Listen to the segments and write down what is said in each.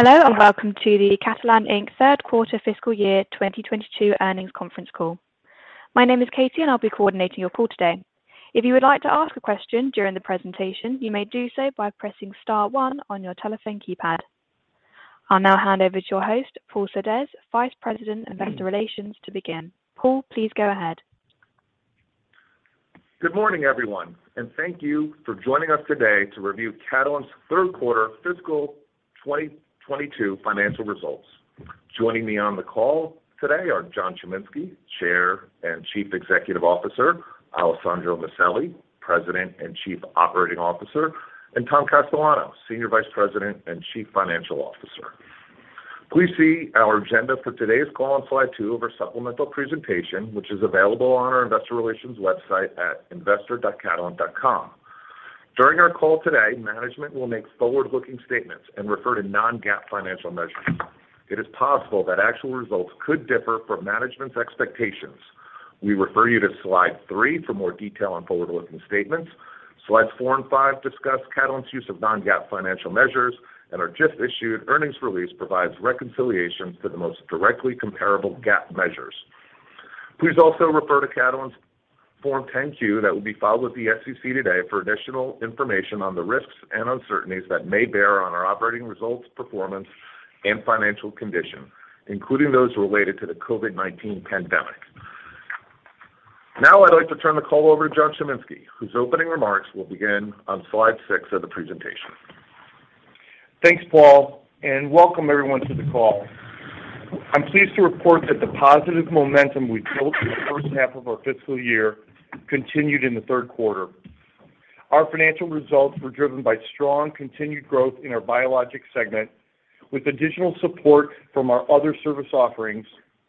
Hello, and welcome to the Catalent, Inc. Third Quarter Fiscal Year 2022 Earnings Conference Call. My name is Katie, and I'll be coordinating your call today. If you would like to ask a question during the presentation, you may do so by pressing star one on your telephone keypad. I'll now hand over to your host, Paul Surdez, Vice President, Investor Relations, to begin. Paul, please go ahead. Good morning, everyone, and thank you for joining us today to review Catalent's third quarter fiscal 2022 financial results. Joining me on the call today are John Chiminski, Chair and Chief Executive Officer, Alessandro Maselli, President and Chief Operating Officer, and Tom Castellano, Senior Vice President and Chief Financial Officer. Please see our agenda for today's call on slide two of our supplemental presentation, which is available on our investor relations website at investor dot catalent dot com. During our call today, management will make forward-looking statements and refer to non-GAAP financial measures. It is possible that actual results could differ from management's expectations. We refer you to slide three for more detail on forward-looking statements. Slides four and five discuss Catalent's use of non-GAAP financial measures and our just-issued earnings release provides reconciliation to the most directly comparable GAAP measures. Please also refer to Catalent's Form 10-Q that will be filed with the SEC today for additional information on the risks and uncertainties that may bear on our operating results, performance, and financial condition, including those related to the COVID-19 pandemic. Now I'd like to turn the call over to John Chiminski, whose opening remarks will begin on slide six of the presentation. Thanks, Paul, and welcome everyone to the call. I'm pleased to report that the positive momentum we built in the first half of our fiscal year continued in the third quarter. Our financial results were driven by strong continued growth in our biologics segment with additional support from our other service offerings,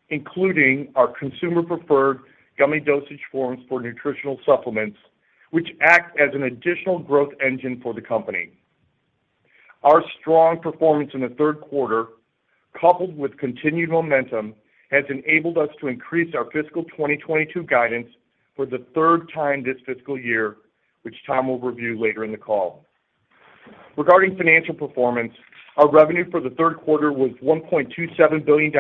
including our consumer-preferred gummy dosage forms for nutritional supplements, which act as an additional growth engine for the company. Our strong performance in the third quarter, coupled with continued momentum, has enabled us to increase our fiscal 2022 guidance for the third time this fiscal year, which Tom will review later in the call. Regarding financial performance, our revenue for the third quarter was $1.27 billion,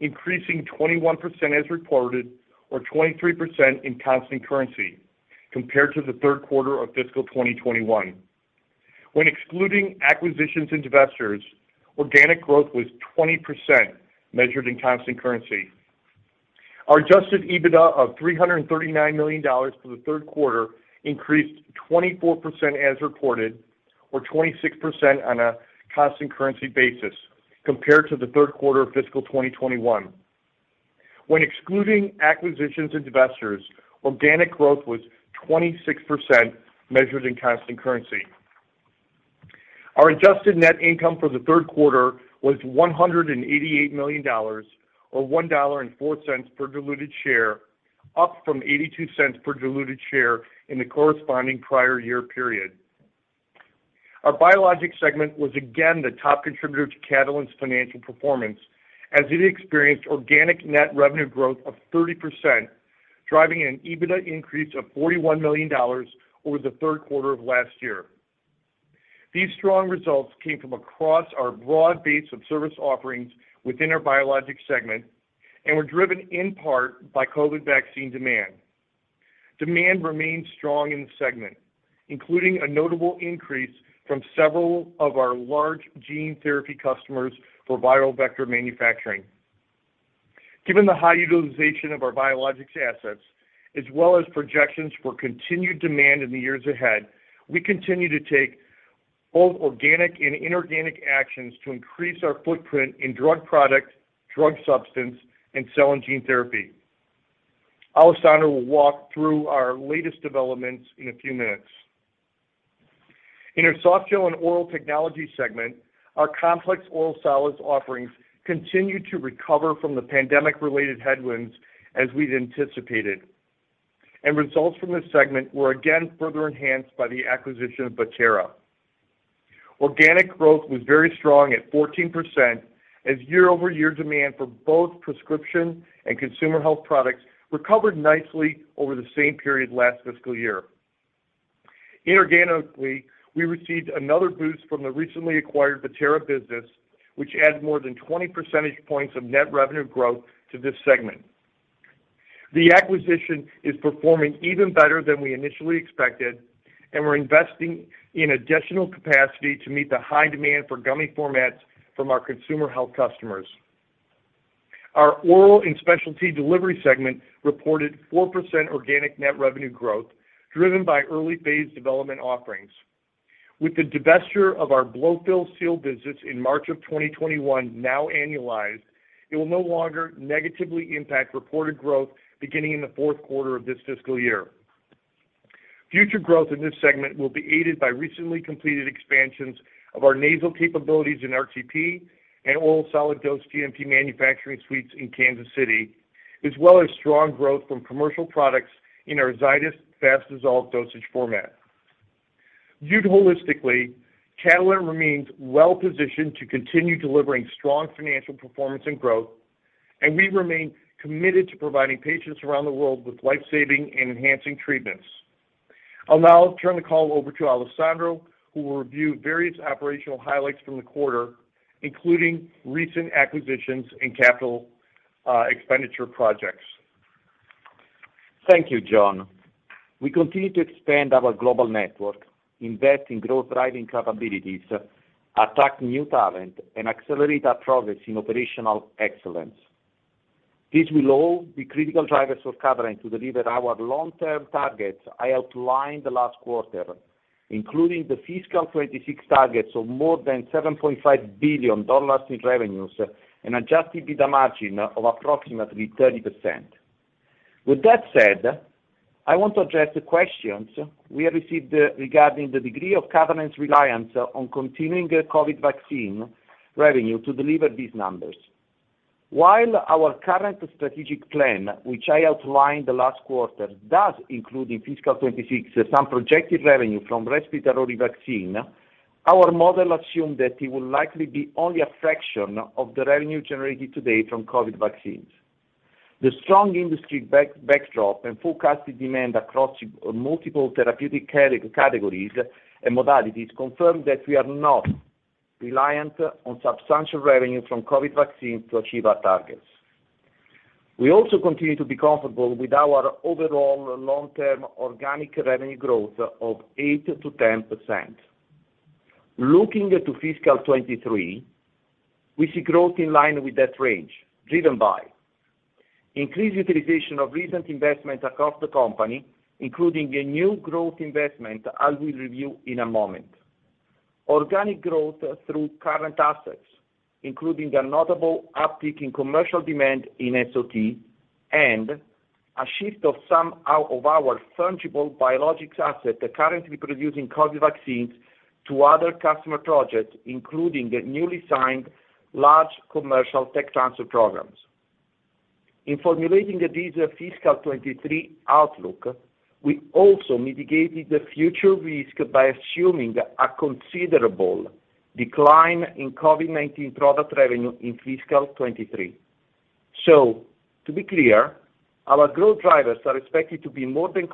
increasing 21% as reported or 23% in constant currency compared to the third quarter of fiscal 2021. When excluding acquisitions and divestitures, organic growth was 20% measured in constant currency. Our adjusted EBITDA of $339 million for the third quarter increased 24% as reported or 26% on a constant currency basis compared to the third quarter of fiscal 2021. When excluding acquisitions and divestitures, organic growth was 26% measured in constant currency. Our adjusted net income for the third quarter was $188 million or $1.04 per diluted share, up from $0.82 per diluted share in the corresponding prior year period. Our biologics segment was again the top contributor to Catalent's financial performance as it experienced organic net revenue growth of 30%, driving an EBITDA increase of $41 million over the third quarter of last year. These strong results came from across our broad base of service offerings within our biologics segment and were driven in part by COVID vaccine demand. Demand remains strong in the segment, including a notable increase from several of our large gene therapy customers for viral vector manufacturing. Given the high utilization of our biologics assets as well as projections for continued demand in the years ahead, we continue to take both organic and inorganic actions to increase our footprint in drug product, drug substance, and cell and gene therapy. Alessandro will walk through our latest developments in a few minutes. In our softgel and oral technology segment, our complex oral solids offerings continued to recover from the pandemic-related headwinds as we'd anticipated. Results from this segment were again further enhanced by the acquisition of Bettera. Organi c growth was very strong at 14% as year-over-year demand for both prescription and consumer health products recovered nicely over the same period last fiscal year. Inorganically, we received another boost from the recently acquired Bettera business, which adds more than 20 percentage points of net revenue growth to this segment. The acquisition is performing even better than we initially expected, and we're investing in additional capacity to meet the high demand for gummy formats from our consumer health customers. Our oral and specialty delivery segment reported 4% organic net revenue growth, driven by early phase development offerings. With the divestiture of our blow-fill-seal business in March of 2021 now annualized, it will no longer negatively impact reported growth beginning in the fourth quarter of this fiscal year. Future growth in this segment will be aided by recently completed expansions of our nasal capabilities in RTP and all solid dose GMP manufacturing suites in Kansas City, as well as strong growth from commercial products in our Zydis fast dissolve dosage format. Viewed holistically, Catalent remains well-positioned to continue delivering strong financial performance and growth, and we remain committed to providing patients around the world with life-saving and enhancing treatments. I'll now turn the call over to Alessandro, who will review various operational highlights from the quarter, including recent acquisitions and capital expenditure projects. Thank you, John. We continue to expand our global network, invest in growth-driving capabilities, attract new talent, and accelerate our progress in operational excellence. These will all be critical drivers for Catalent to deliver our long-term targets I outlined the last quarter, including the fiscal 2026 targets of more than $7.5 billion in revenues and adjusted EBITDA margin of approximately 30%. With that said, I want to address the questions we have received regarding the degree of Catalent's reliance on continuing COVID vaccine revenue to deliver these numbers. While our current strategic plan, which I outlined the last quarter, does include in fiscal 2026 some projected revenue from respiratory vaccine, our model assumed that it will likely be only a fraction of the revenue generated to date from COVID vaccines. The strong industry backdrop and forecasted demand across multiple therapeutic categories and modalities confirm that we are not reliant on substantial revenue from COVID vaccines to achieve our targets. We also continue to be comfortable with our overall long-term organic revenue growth of 8%-10%. Looking to fiscal 2023, we see growth in line with that range, driven by increased utilization of recent investments across the company, including a new growth investment I will review in a moment. Organic growth through current assets, including a notable uptick in commercial demand in SOT and a shift of some of our fungible biologics asset currently producing COVID vaccines to other customer projects, including the newly signed large commercial tech transfer programs. In formulating this fiscal 2023 outlook, we also mitigated the future risk by assuming a considerable decline in COVID-19 product revenue in fiscal 2023. To be clear, our growth drivers are expected to more than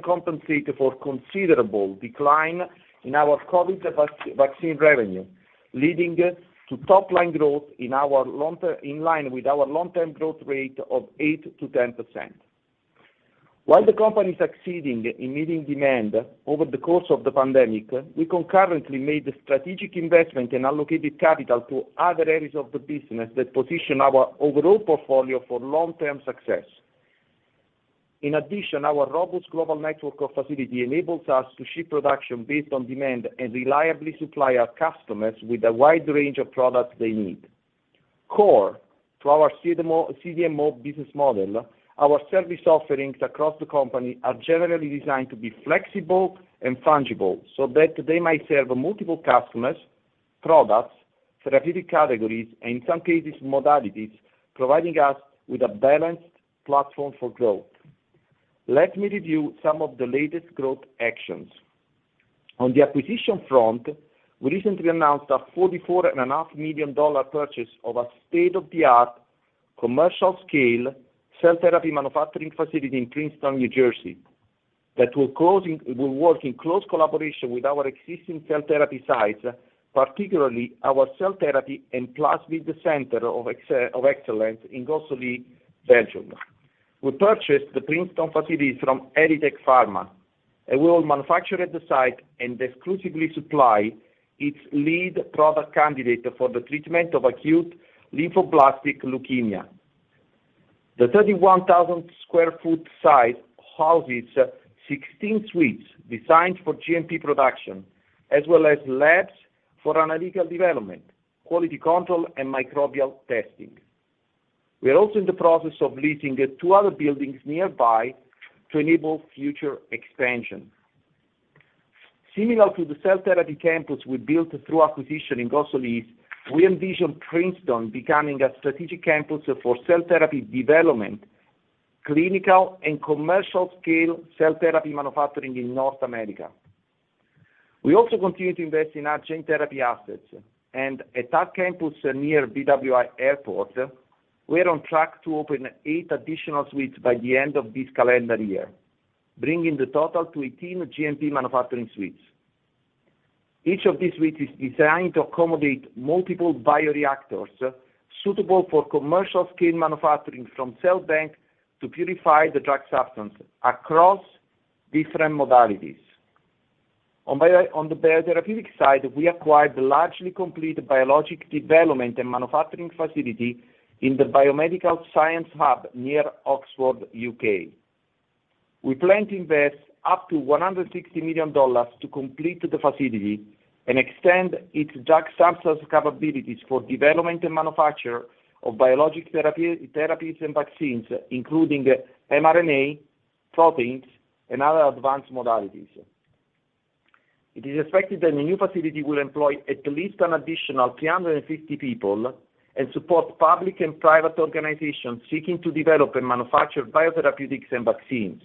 compensate for considerable decline in our COVID vaccine revenue, leading us to top-line growth in line with our long-term growth rate of 8%-10%. While the company is succeeding in meeting demand over the course of the pandemic, we concurrently made strategic investment and allocated capital to other areas of the business that position our overall portfolio for long-term success. In addition, our robust global network of facilities enables us to ship production based on demand and reliably supply our customers with a wide range of products they need. Core to our CDMO business model, our service offerings across the company are generally designed to be flexible and fungible so that they might serve multiple customers, products, therapeutic categories, and in some cases modalities, providing us with a balanced platform for growth. Let me review some of the latest growth actions. On the acquisition front, we recently announced a $44.5 million purchase of a state-of-the-art commercial scale cell therapy manufacturing facility in Princeton, New Jersey, that will work in close collaboration with our existing cell therapy sites, particularly our cell therapy and plasmid center of excellence in Gosselies, Belgium. We purchased the Princeton facility from Erytech Pharma, and we will manufacture at the site and exclusively supply its lead product candidate for the treatment of acute lymphoblastic leukemia. The 31,000 sq ft site houses 16 suites designed for GMP production, as well as labs for analytical development, quality control, and microbial testing. We are also in the process of leasing two other buildings nearby to enable future expansion. Similar to the cell therapy campus we built through acquisition in Gosselies, we envision Princeton becoming a strategic campus for cell therapy development, clinical and commercial scale cell therapy manufacturing in North America. We also continue to invest in our gene therapy assets, and at our campus near BWI Airport, we are on track to open eight additional suites by the end of this calendar year, bringing the total to 18 GMP manufacturing suites. Each of these suites is designed to accommodate multiple bioreactors suitable for commercial scale manufacturing from cell bank to purify the drug substance across different modalities. On the biotherapeutic side, we acquired a largely complete biologic development and manufacturing facility in the biomedical science hub near Oxford, U.K. We plan to invest up to $160 million to complete the facility and extend its drug substance capabilities for development and manufacture of biologic therapies and vaccines, including mRNA, proteins, and other advanced modalities. It is expected that the new facility will employ at least an additional 350 people and support public and private organizations seeking to develop and manufacture biotherapeutics and vaccines.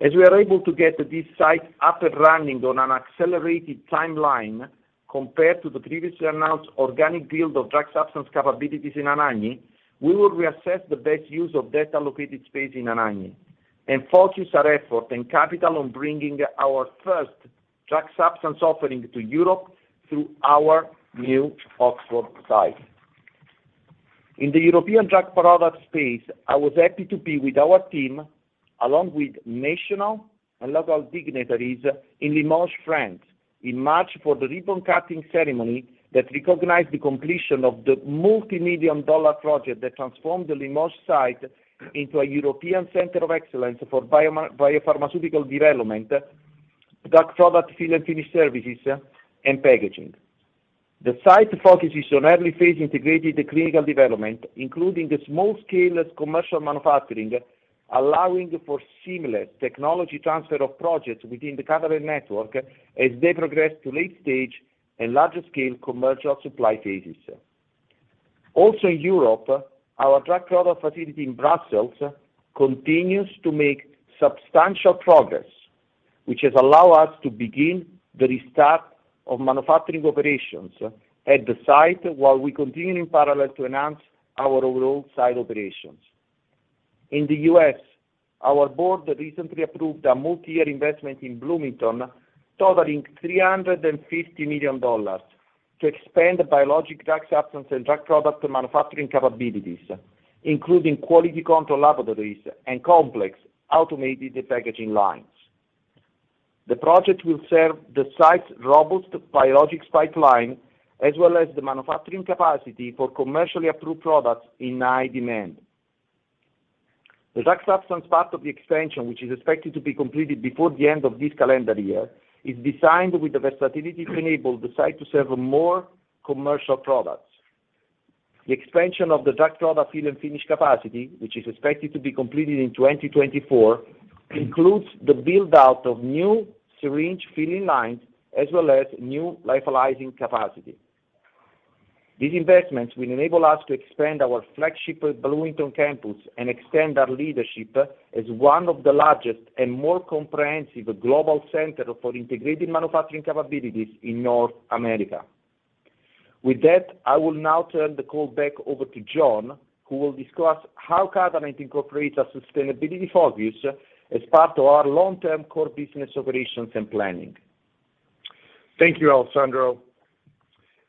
As we are able to get this site up and running on an accelerated timeline. Compared to the previously announced organic build of drug substance capabilities in Anagni, we will reassess the best use of that allocated space in Anagni and focus our effort and capital on bringing our first drug substance offering to Europe through our new Oxford site. In the European drug product space, I was happy to be with our team along with national and local dignitaries in Limoges, France, in March for the ribbon-cutting ceremony that recognized the completion of the multi-million-dollar project that transformed the Limoges site into a European center of excellence for biopharmaceutical development, drug product fill and finish services, and packaging. The site focuses on early phase integrated clinical development, including the small scale as commercial manufacturing, allowing for seamless technology transfer of projects within the Catalent network as they progress to late-stage and larger scale commercial supply phases. Also in Europe, our drug product facility in Brussels continues to make substantial progress, which has allowed us to begin the restart of manufacturing operations at the site while we continue in parallel to enhance our overall site operations. In the U.S., our board recently approved a multi-year investment in Bloomington totaling $350 million to expand biologic drug substance and drug product manufacturing capabilities, including quality control laboratories and complex automated packaging lines. The project will serve the site's robust biologics pipeline, as well as the manufacturing capacity for commercially approved products in high demand. The drug substance part of the expansion, which is expected to be completed before the end of this calendar year, is designed with the versatility to enable the site to serve more commercial products. The expansion of the drug product fill and finish capacity, which is expected to be completed in 2024, includes the build-out of new syringe filling lines as well as new lyophilization capacity. These investments will enable us to expand our flagship Bloomington campus and extend our leadership as one of the largest and more comprehensive global center for integrated manufacturing capabilities in North America. With that, I will now turn the call back over to John, who will discuss how Catalent incorporates our sustainability focus as part of our long-term core business operations and planning. Thank you, Alessandro.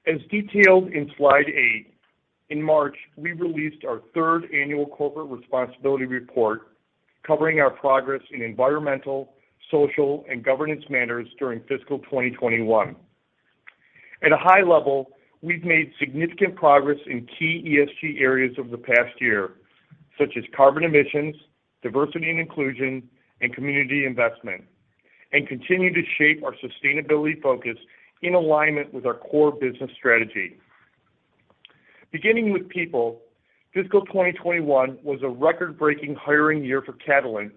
As detailed in slide eight, in March, we released our third annual corporate responsibility report covering our progress in environmental, social, and governance matters during fiscal 2021. At a high level, we've made significant progress in key ESG areas over the past year, such as carbon emissions, diversity and inclusion, and community investment, and continue to shape our sustainability focus in alignment with our core business strategy. Beginning with people, fiscal 2021 was a record-breaking hiring year for Catalent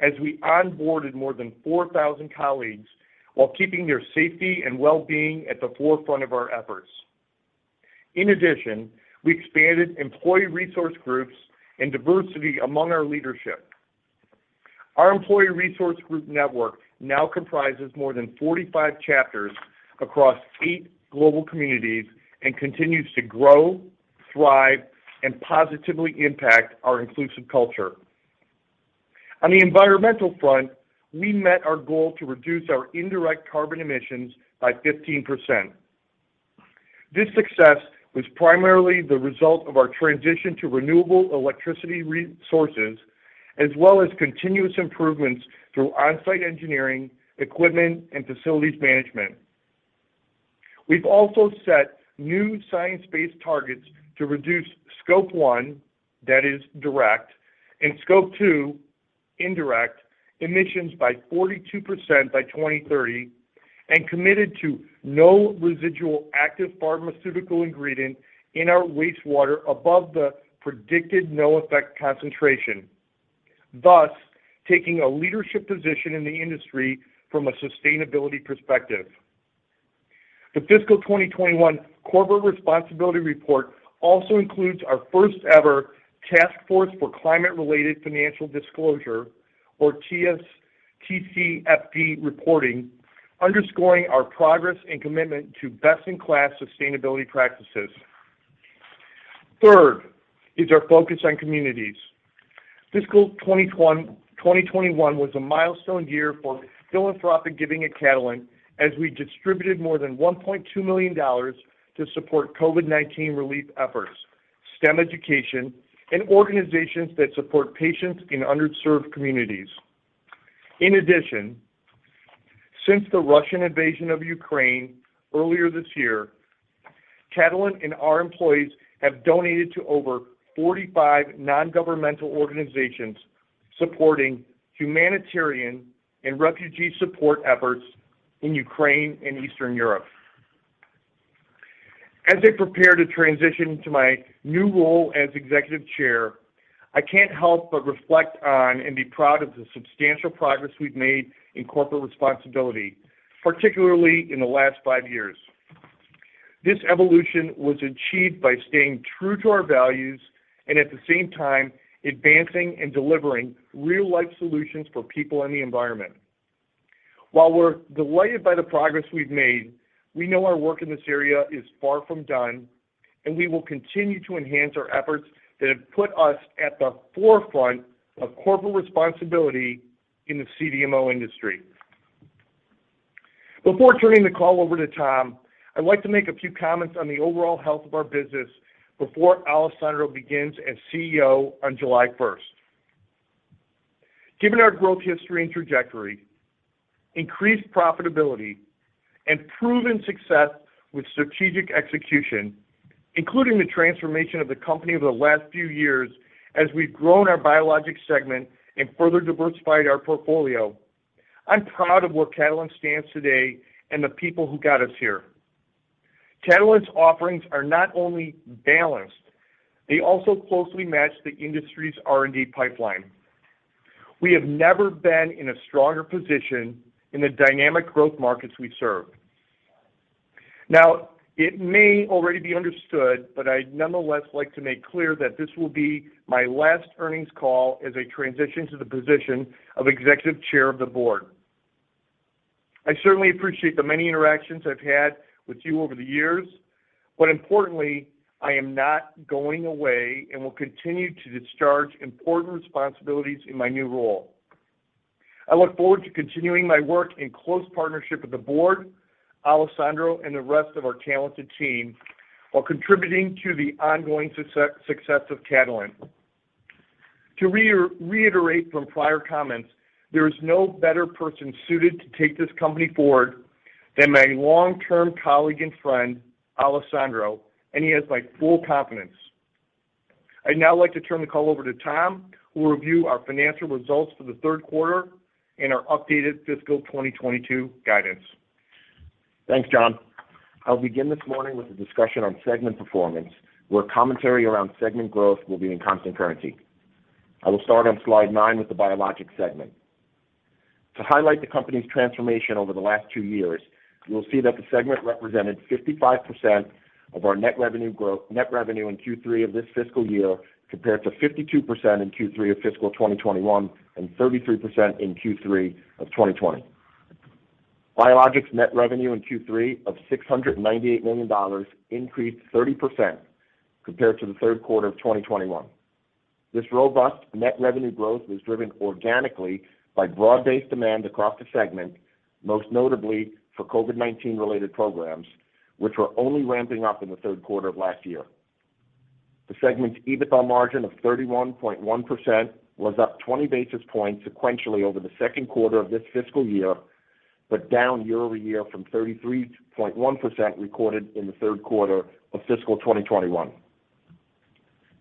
as we onboarded more than 4,000 colleagues while keeping their safety and well-being at the forefront of our efforts. In addition, we expanded employee resource groups and diversity among our leadership. Our employee resource group network now comprises more than 45 chapters across eight global communities and continues to grow, thrive, and positively impact our inclusive culture. On the environmental front, we met our goal to reduce our indirect carbon emissions by 15%. This success was primarily the result of our transition to renewable electricity resources as well as continuous improvements through on-site engineering, equipment, and facilities management. We've also set new science-based targets to reduce Scope 1, that is direct, and Scope 2, indirect, emissions by 42% by 2030 and committed to no residual active pharmaceutical ingredient in our wastewater above the predicted no effect concentration, thus taking a leadership position in the industry from a sustainability perspective. The fiscal 2021 corporate responsibility report also includes our first-ever Task Force for Climate-Related Financial Disclosure or TCFD reporting, underscoring our progress and commitment to best-in-class sustainability practices. Third is our focus on communities. 2021 was a milestone year for philanthropic giving at Catalent as we distributed more than $1.2 million to support COVID-19 relief efforts, STEM education, and organizations that support patients in underserved communities. In addition, since the Russian invasion of Ukraine earlier this year, Catalent and our employees have donated to over 45 non-governmental organizations supporting humanitarian and refugee support efforts in Ukraine and Eastern Europe. As I prepare to transition to my new role as executive chair, I can't help but reflect on and be proud of the substantial progress we've made in corporate responsibility, particularly in the last five years. This evolution was achieved by staying true to our values and at the same time advancing and delivering real-life solutions for people and the environment. While we're delighted by the progress we've made, we know our work in this area is far from done, and we will continue to enhance our efforts that have put us at the forefront of corporate responsibility in the CDMO industry. Before turning the call over to Tom, I'd like to make a few comments on the overall health of our business before Alessandro begins as CEO on July first. Given our growth history and trajectory, increased profitability and proven success with strategic execution, including the transformation of the company over the last few years as we've grown our biologics segment and further diversified our portfolio, I'm proud of where Catalent stands today and the people who got us here. Catalent's offerings are not only balanced, they also closely match the industry's R&D pipeline. We have never been in a stronger position in the dynamic growth markets we serve. Now, it may already be understood, but I'd nonetheless like to make clear that this will be my last earnings call as I transition to the position of Executive Chair of the Board. I certainly appreciate the many interactions I've had with you over the years, but importantly, I am not going away and will continue to discharge important responsibilities in my new role. I look forward to continuing my work in close partnership with the board, Alessandro, and the rest of our talented team while contributing to the ongoing success of Catalent. To reiterate from prior comments, there is no better person suited to take this company forward than my long-term colleague and friend, Alessandro, and he has my full confidence. I'd now like to turn the call over to Tom, who will review our financial results for the third quarter and our updated fiscal 2022 guidance. Thanks, John. I'll begin this morning with a discussion on segment performance, where commentary around segment growth will be in constant currency. I will start on slide nine with the Biologics segment. To highlight the company's transformation over the last two years, you will see that the segment represented 55% of our net revenue in Q3 of this fiscal year compared to 52% in Q3 of fiscal 2021 and 33% in Q3 of 2020. Biologics net revenue in Q3 of $698 million increased 30% compared to the third quarter of 2021. This robust net revenue growth was driven organically by broad-based demand across the segment, most notably for COVID-19 related programs, which were only ramping up in the third quarter of last year. The segment's EBITDA margin of 31.1% was up 20 basis points sequentially over the second quarter of this fiscal year, but down year over year from 33.1% recorded in the third quarter of fiscal 2021.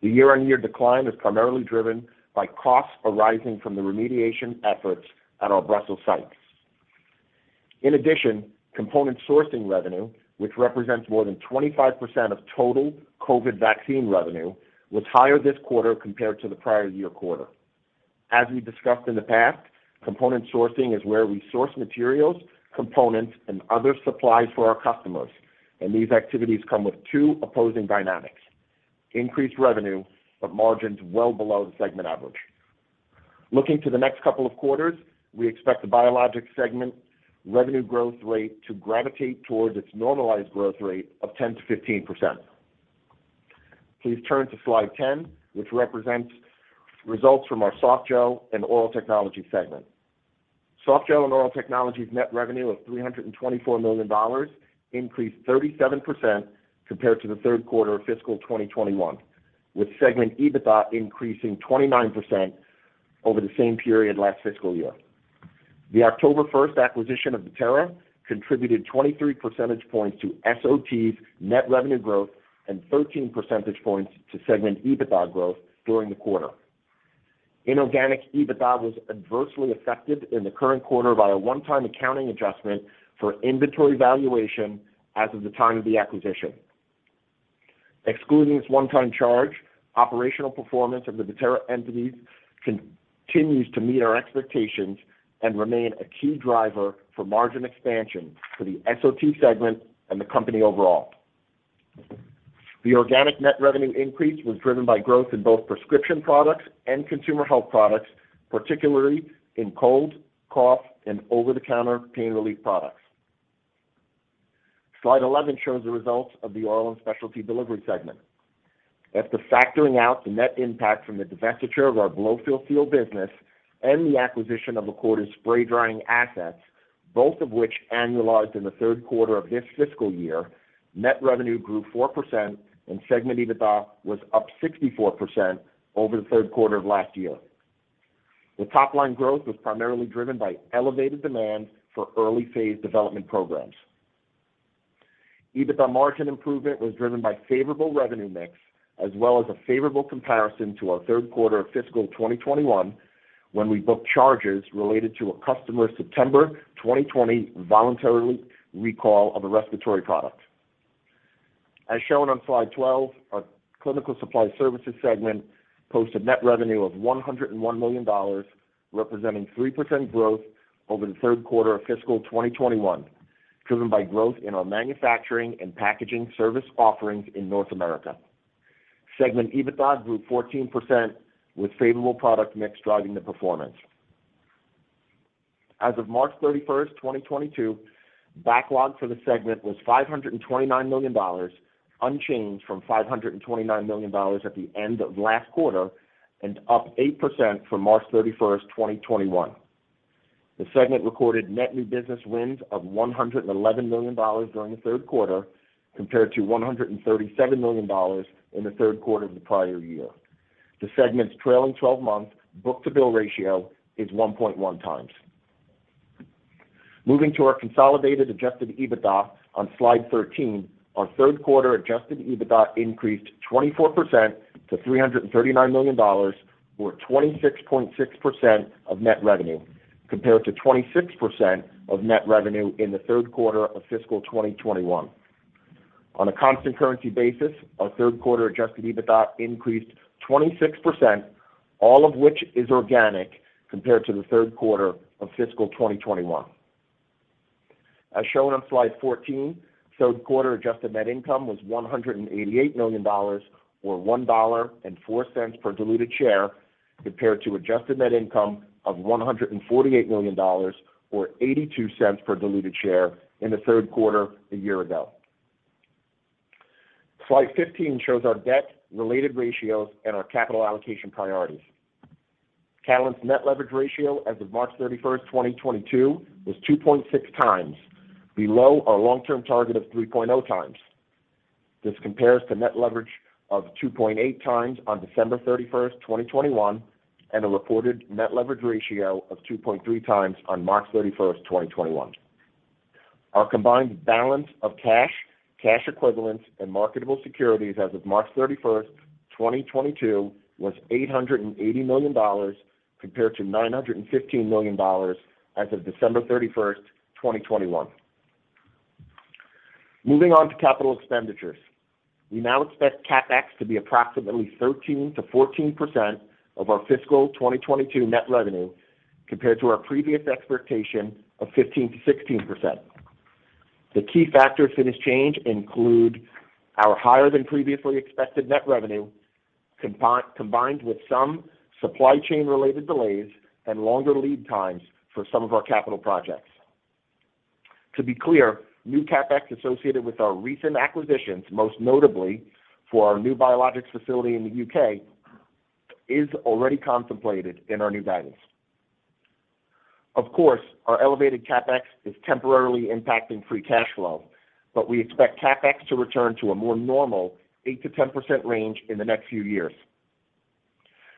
The year-on-year decline is primarily driven by costs arising from the remediation efforts at our Brussels site. In addition, component sourcing revenue, which represents more than 25% of total COVID vaccine revenue, was higher this quarter compared to the prior year quarter. As we discussed in the past, component sourcing is where we source materials, components, and other supplies for our customers, and these activities come with two opposing dynamics, increased revenue but margins well below the segment average. Looking to the next couple of quarters, we expect the Biologics segment revenue growth rate to gravitate towards its normalized growth rate of 10%-15%. Please turn to slide 10, which represents results from our Softgel and Oral Technologies segment. Softgel and Oral Technologies's net revenue of $324 million increased 37% compared to the third quarter of fiscal 2021, with segment EBITDA increasing 29% over the same period last fiscal year. The October 1st acquisition of Bettera contributed 23 percentage points to SOT's net revenue growth and 13 percentage points to segment EBITDA growth during the quarter. Inorganic EBITDA was adversely affected in the current quarter by a one-time accounting adjustment for inventory valuation as of the time of the acquisition. Excluding this one-time charge, operational performance of the Bettera entities continues to meet our expectations and remain a key driver for margin expansion for the SOT segment and the company overall. The organic net revenue increase was driven by growth in both prescription products and consumer health products, particularly in cold, cough, and over-the-counter pain relief products. Slide 11 shows the results of the Oral and Specialty Delivery segment. After factoring out the net impact from the divestiture of our blow-fill-seal business and the acquisition of Acorda's spray drying assets, both of which annualized in the third quarter of this fiscal year, net revenue grew 4% and segment EBITDA was up 64% over the third quarter of last year. The top line growth was primarily driven by elevated demand for early phase development programs. EBITDA margin improvement was driven by favorable revenue mix as well as a favorable comparison to our third quarter of fiscal 2021 when we booked charges related to a customer's September 2020 voluntary recall of a respiratory product. As shown on slide 12, our clinical supply services segment posted net revenue of $101 million, representing 3% growth over the third quarter of fiscal 2021, driven by growth in our manufacturing and packaging service offerings in North America. Segment EBITDA grew 14% with favorable product mix driving the performance. As of March 31st, 2022, backlog for the segment was $529 million, unchanged from $529 million at the end of last quarter and up 8% from March 31st, 2021. The segment recorded net new business wins of $111 million during the third quarter compared to $137 million in the third quarter of the prior year. The segment's trailing 12-month book-to-bill ratio is 1.1x. Moving to our consolidated adjusted EBITDA. Our third quarter adjusted EBITDA increased 24% to $339 million or 26.6% of net revenue, compared to 26% of net revenue in the third quarter of fiscal 2021. On a constant currency basis, our third quarter adjusted EBITDA increased 26%, all of which is organic compared to the third quarter of fiscal 2021. As shown on slide 14, third quarter adjusted net income was $188 million or $1.04 per diluted share compared to adjusted net income of $148 million or $0.82 per diluted share in the third quarter a year ago. Slide 15 shows our debt related ratios and our capital allocation priorities. Catalent's net leverage ratio as of March 31, 2022 was 2.6x, below our long-term target of 3x. This compares to net leverage of 2.8x on December 31st, 2021, and a reported net leverage ratio of 2.3x on March 31st, 2021. Our combined balance of cash equivalents, and marketable securities as of March 31st, 2022 was $880 million compared to $915 million as of December 31st, 2021. Moving on to capital expenditures. We now expect CapEx to be approximately 13%-14% of our fiscal 2022 net revenue compared to our previous expectation of 15%-16%. The key factors in this change include our higher than previously expected net revenue combined with some supply chain related delays and longer lead times for some of our capital projects. To be clear, new CapEx associated with our recent acquisitions, most notably for our new biologics facility in the U.K., is already contemplated in our new guidance. Of course, our elevated CapEx is temporarily impacting free cash flow, but we expect CapEx to return to a more normal 8%-10% range in the next few years.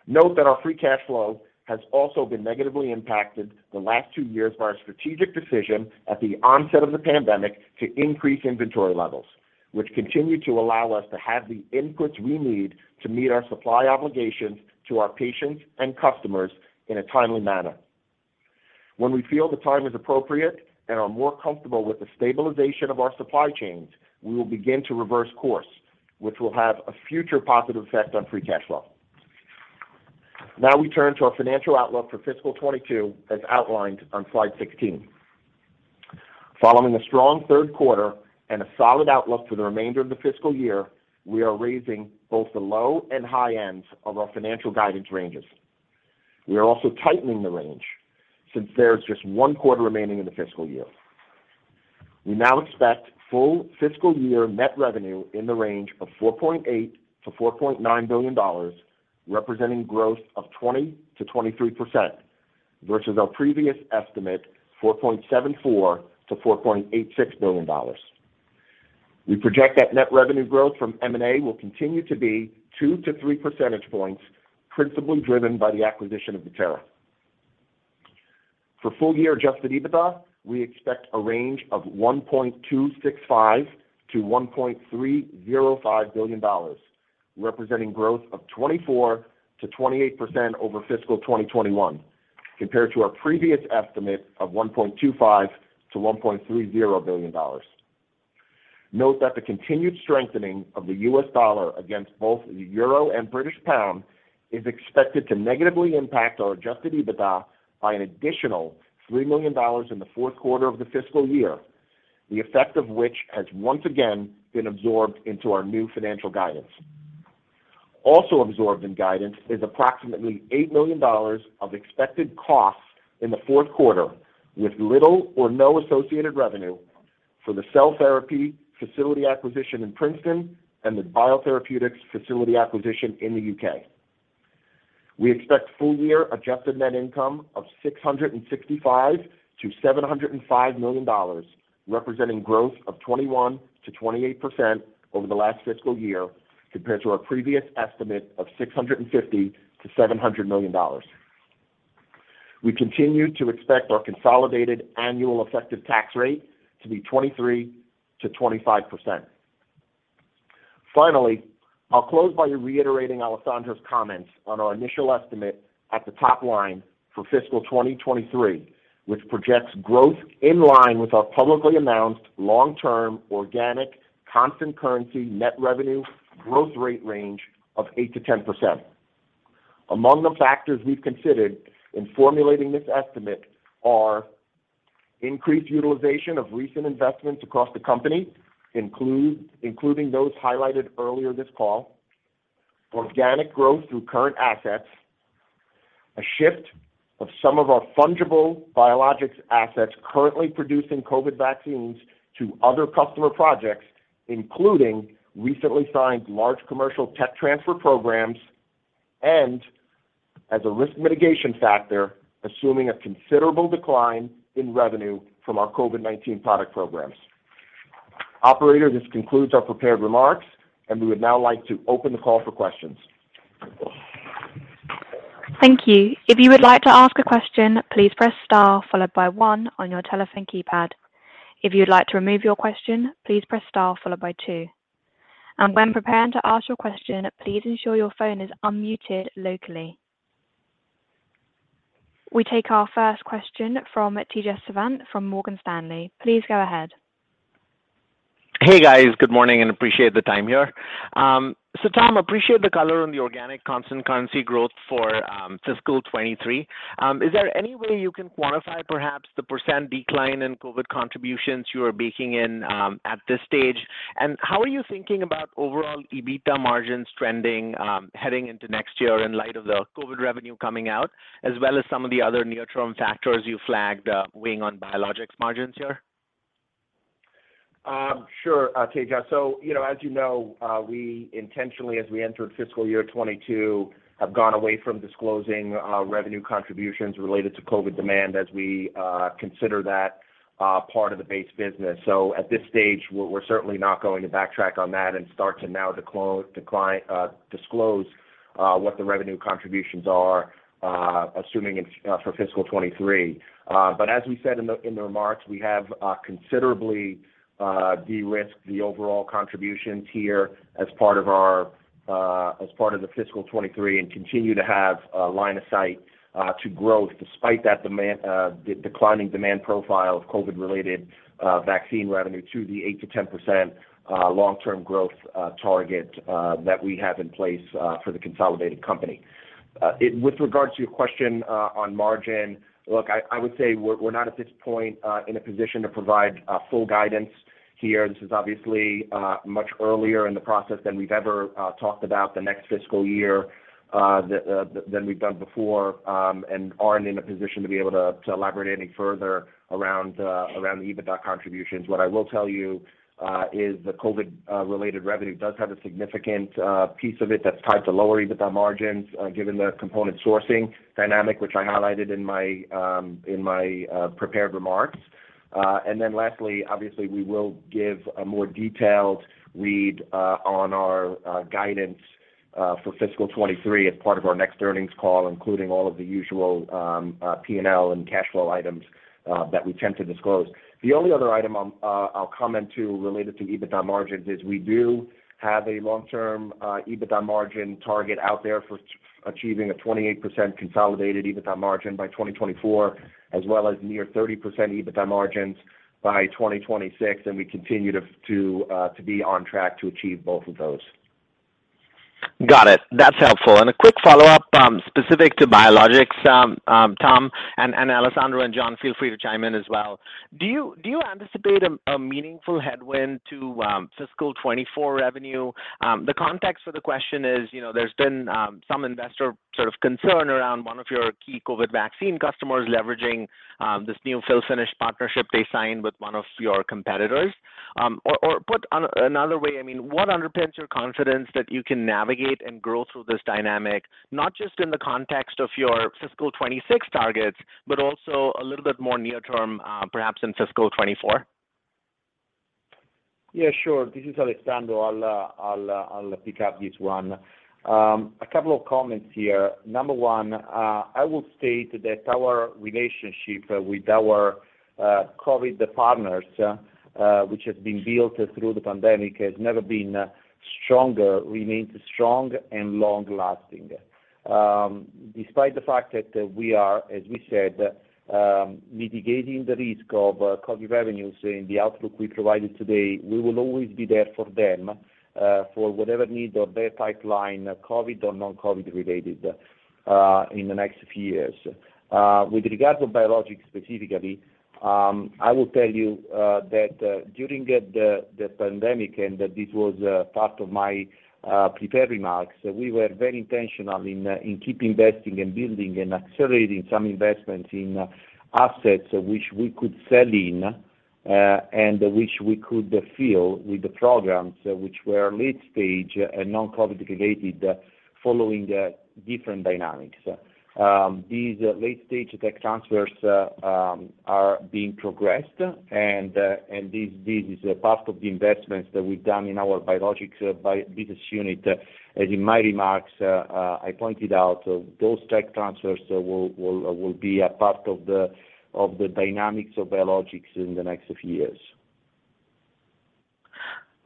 Note that our free cash flow has also been negatively impacted the last two years by our strategic decision at the onset of the pandemic to increase inventory levels, which continue to allow us to have the inputs we need to meet our supply obligations to our patients and customers in a timely manner. When we feel the time is appropriate and are more comfortable with the stabilization of our supply chains, we will begin to reverse course, which will have a future positive effect on free cash flow. Now we turn to our financial outlook for fiscal 2022 as outlined on slide 16. Following a strong third quarter and a solid outlook for the remainder of the fiscal year, we are raising both the low and high ends of our financial guidance ranges. We are also tightening the range since there is just one quarter remaining in the fiscal year. We now expect full fiscal year net revenue in the range of $4.8 billion-$4.9 billion, representing growth of 20%-23% versus our previous estimate, $4.74 billion-$4.86 billion. We project that net revenue growth from M&A will continue to be two to three percentage points, principally driven by the acquisition of Bettera. For full year adjusted EBITDA, we expect a range of $1.265 billion-$1.305 billion, representing growth of 24%-28% over fiscal 2021 compared to our previous estimate of $1.25 billion-$1.30 billion. Note that the continued strengthening of the US dollar against both the euro and British pound is expected to negatively impact our adjusted EBITDA by an additional $3 million in the fourth quarter of the fiscal year, the effect of which has once again been absorbed into our new financial guidance. Also absorbed in guidance is approximately $8 million of expected costs in the fourth quarter, with little or no associated revenue for the cell therapy facility acquisition in Princeton and the biotherapeutics facility acquisition in the U.K. We expect full year adjusted net income of $665 million-$705 million, representing growth of 21%-28% over the last fiscal year, compared to our previous estimate of $650 million-$700 million. We continue to expect our consolidated annual effective tax rate to be 23%-25%. Finally, I'll close by reiterating Alessandro's comments on our initial estimate at the top line for fiscal 2023, which projects growth in line with our publicly announced long-term organic constant currency net revenue growth rate range of 8%-10%. Among the factors we've considered in formulating this estimate are increased utilization of recent investments across the company, including those highlighted earlier this call. Organic growth through current assets. A shift of some of our fungible biologics assets currently producing COVID-19 vaccines to other customer projects, including recently signed large commercial tech transfer programs, and as a risk mitigation factor, assuming a considerable decline in revenue from our COVID-19 product programs. Operator, this concludes our prepared remarks, and we would now like to open the call for questions. Thank you. If you would like to ask a question, please press star followed by one on your telephone keypad. If you'd like to remove your question, please press star followed by two. When preparing to ask your question, please ensure your phone is unmuted locally. We take our first question from Tejas Savant from Morgan Stanley. Please go ahead. Hey, guys. Good morning and appreciate the time here. Tom, appreciate the color on the organic constant currency growth for fiscal 2023. Is there any way you can quantify perhaps the percent decline in COVID contributions you are baking in at this stage? How are you thinking about overall EBITDA margins trending heading into next year in light of the COVID revenue coming out, as well as some of the other near-term factors you flagged weighing on biologics margins here? Sure, Tej. You know, we intentionally, as we entered fiscal year 2022, have gone away from disclosing revenue contributions related to COVID demand as we consider that part of the base business. At this stage, we're certainly not going to backtrack on that and start to now disclose what the revenue contributions are, assuming it's for fiscal 2023. As we said in the remarks, we have considerably de-risked the overall contributions here as part of the fiscal 2023 and continue to have a line of sight to growth despite the declining demand profile of COVID-related vaccine revenue to the 8%-10% long-term growth target that we have in place for the consolidated company. With regard to your question on margin, look, I would say we're not at this point in a position to provide full guidance here. This is obviously much earlier in the process than we've ever talked about the next fiscal year than we've done before, and aren't in a position to be able to elaborate any further around the EBITDA contributions. What I will tell you is the COVID-related revenue does have a significant piece of it that's tied to lower EBITDA margins given the component sourcing dynamic, which I highlighted in my prepared remarks. Lastly, obviously we will give a more detailed read on our guidance for fiscal 2023 as part of our next earnings call, including all of the usual P&L and cash flow items that we tend to disclose. The only other item I'll comment on related to EBITDA margins is we do have a long-term EBITDA margin target out there for achieving a 28% consolidated EBITDA margin by 2024, as well as near 30% EBITDA margins by 2026. We continue to be on track to achieve both of those. Got it. That's helpful. A quick follow-up, specific to biologics, Tom and Alessandro and John, feel free to chime in as well. Do you anticipate a meaningful headwind to fiscal 2024 revenue? The context for the question is, you know, there's been some investor sort of concern around one of your key COVID vaccine customers leveraging this new fill and finish partnership they signed with one of your competitors. Or put another way, I mean, what underpins your confidence that you can navigate and grow through this dynamic, not just in the context of your fiscal 2026 targets, but also a little bit more near term, perhaps in fiscal 2024? Yeah, sure. This is Alessandro. I'll pick up this one. A couple of comments here. Number one, I will state that our relationship with our COVID partners, which has been built through the pandemic, has never been stronger, remains strong and long-lasting. Despite the fact that we are, as we said, mitigating the risk of COVID revenues in the outlook we provided today, we will always be there for them, for whatever needs of their pipeline, COVID or non-COVID related, in the next few years. With regards to biologics specifically, I will tell you that during the pandemic and this was part of my prepared remarks, we were very intentional in keeping investing and building and accelerating some investment in assets which we could sell in and which we could fill with the programs which were late-stage and non-COVID related following the different dynamics. These late-stage tech transfers are being progressed and this is part of the investments that we've done in our biologics business unit. As in my remarks, I pointed out, those tech transfers will be a part of the dynamics of biologics in the next few years.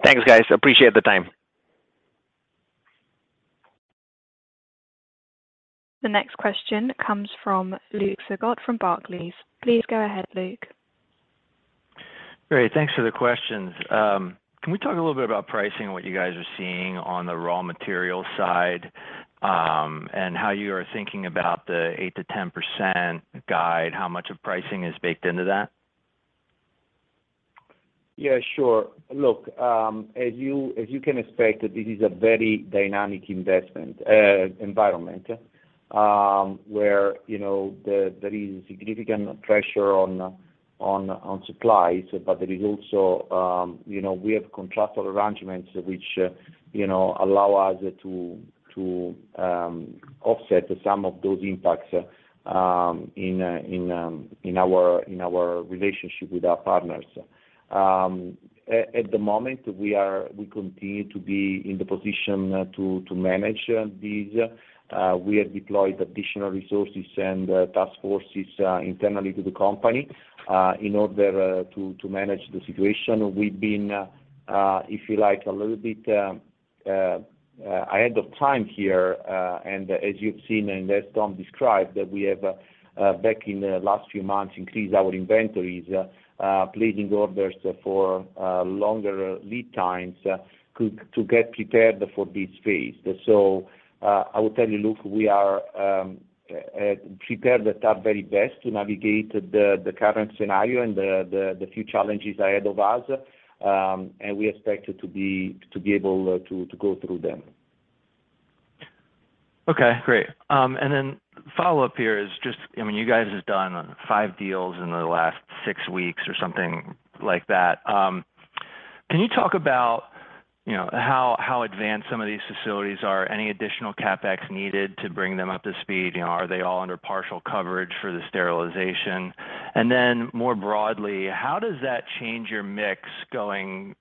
Thanks, guys. Appreciate the time. The next question comes from Luke Sergott from Barclays. Please go ahead, Luke. Great. Thanks for the questions. Can we talk a little bit about pricing, what you guys are seeing on the raw material side, and how you are thinking about the 8%-10% guide, how much of pricing is baked into that? Yeah, sure. Look, as you can expect, this is a very dynamic investment environment, where, you know, there is significant pressure on supply, but there is also, you know, we have contractual arrangements which, you know, allow us to offset some of those impacts, in our relationship with our partners. At the moment, we continue to be in the position to manage these. We have deployed additional resources and task forces, internally to the company, in order to manage the situation. We've been, if you like, a little bit ahead of time here, and as you've seen and as Tom Castellano described, that we have back in the last few months increased our inventories, placing orders for longer lead times to get prepared for this phase. I will tell you, Luke, we are prepared at our very best to navigate the current scenario and the few challenges ahead of us, and we expect it to be able to go through them. Okay, great. Follow-up here is just, I mean, you guys have done five deals in the last six weeks or something like that. Can you talk about, you know, how advanced some of these facilities are? Any additional CapEx needed to bring them up to speed? You know, are they all under partial coverage for the sterilization? More broadly, how does that change your mix going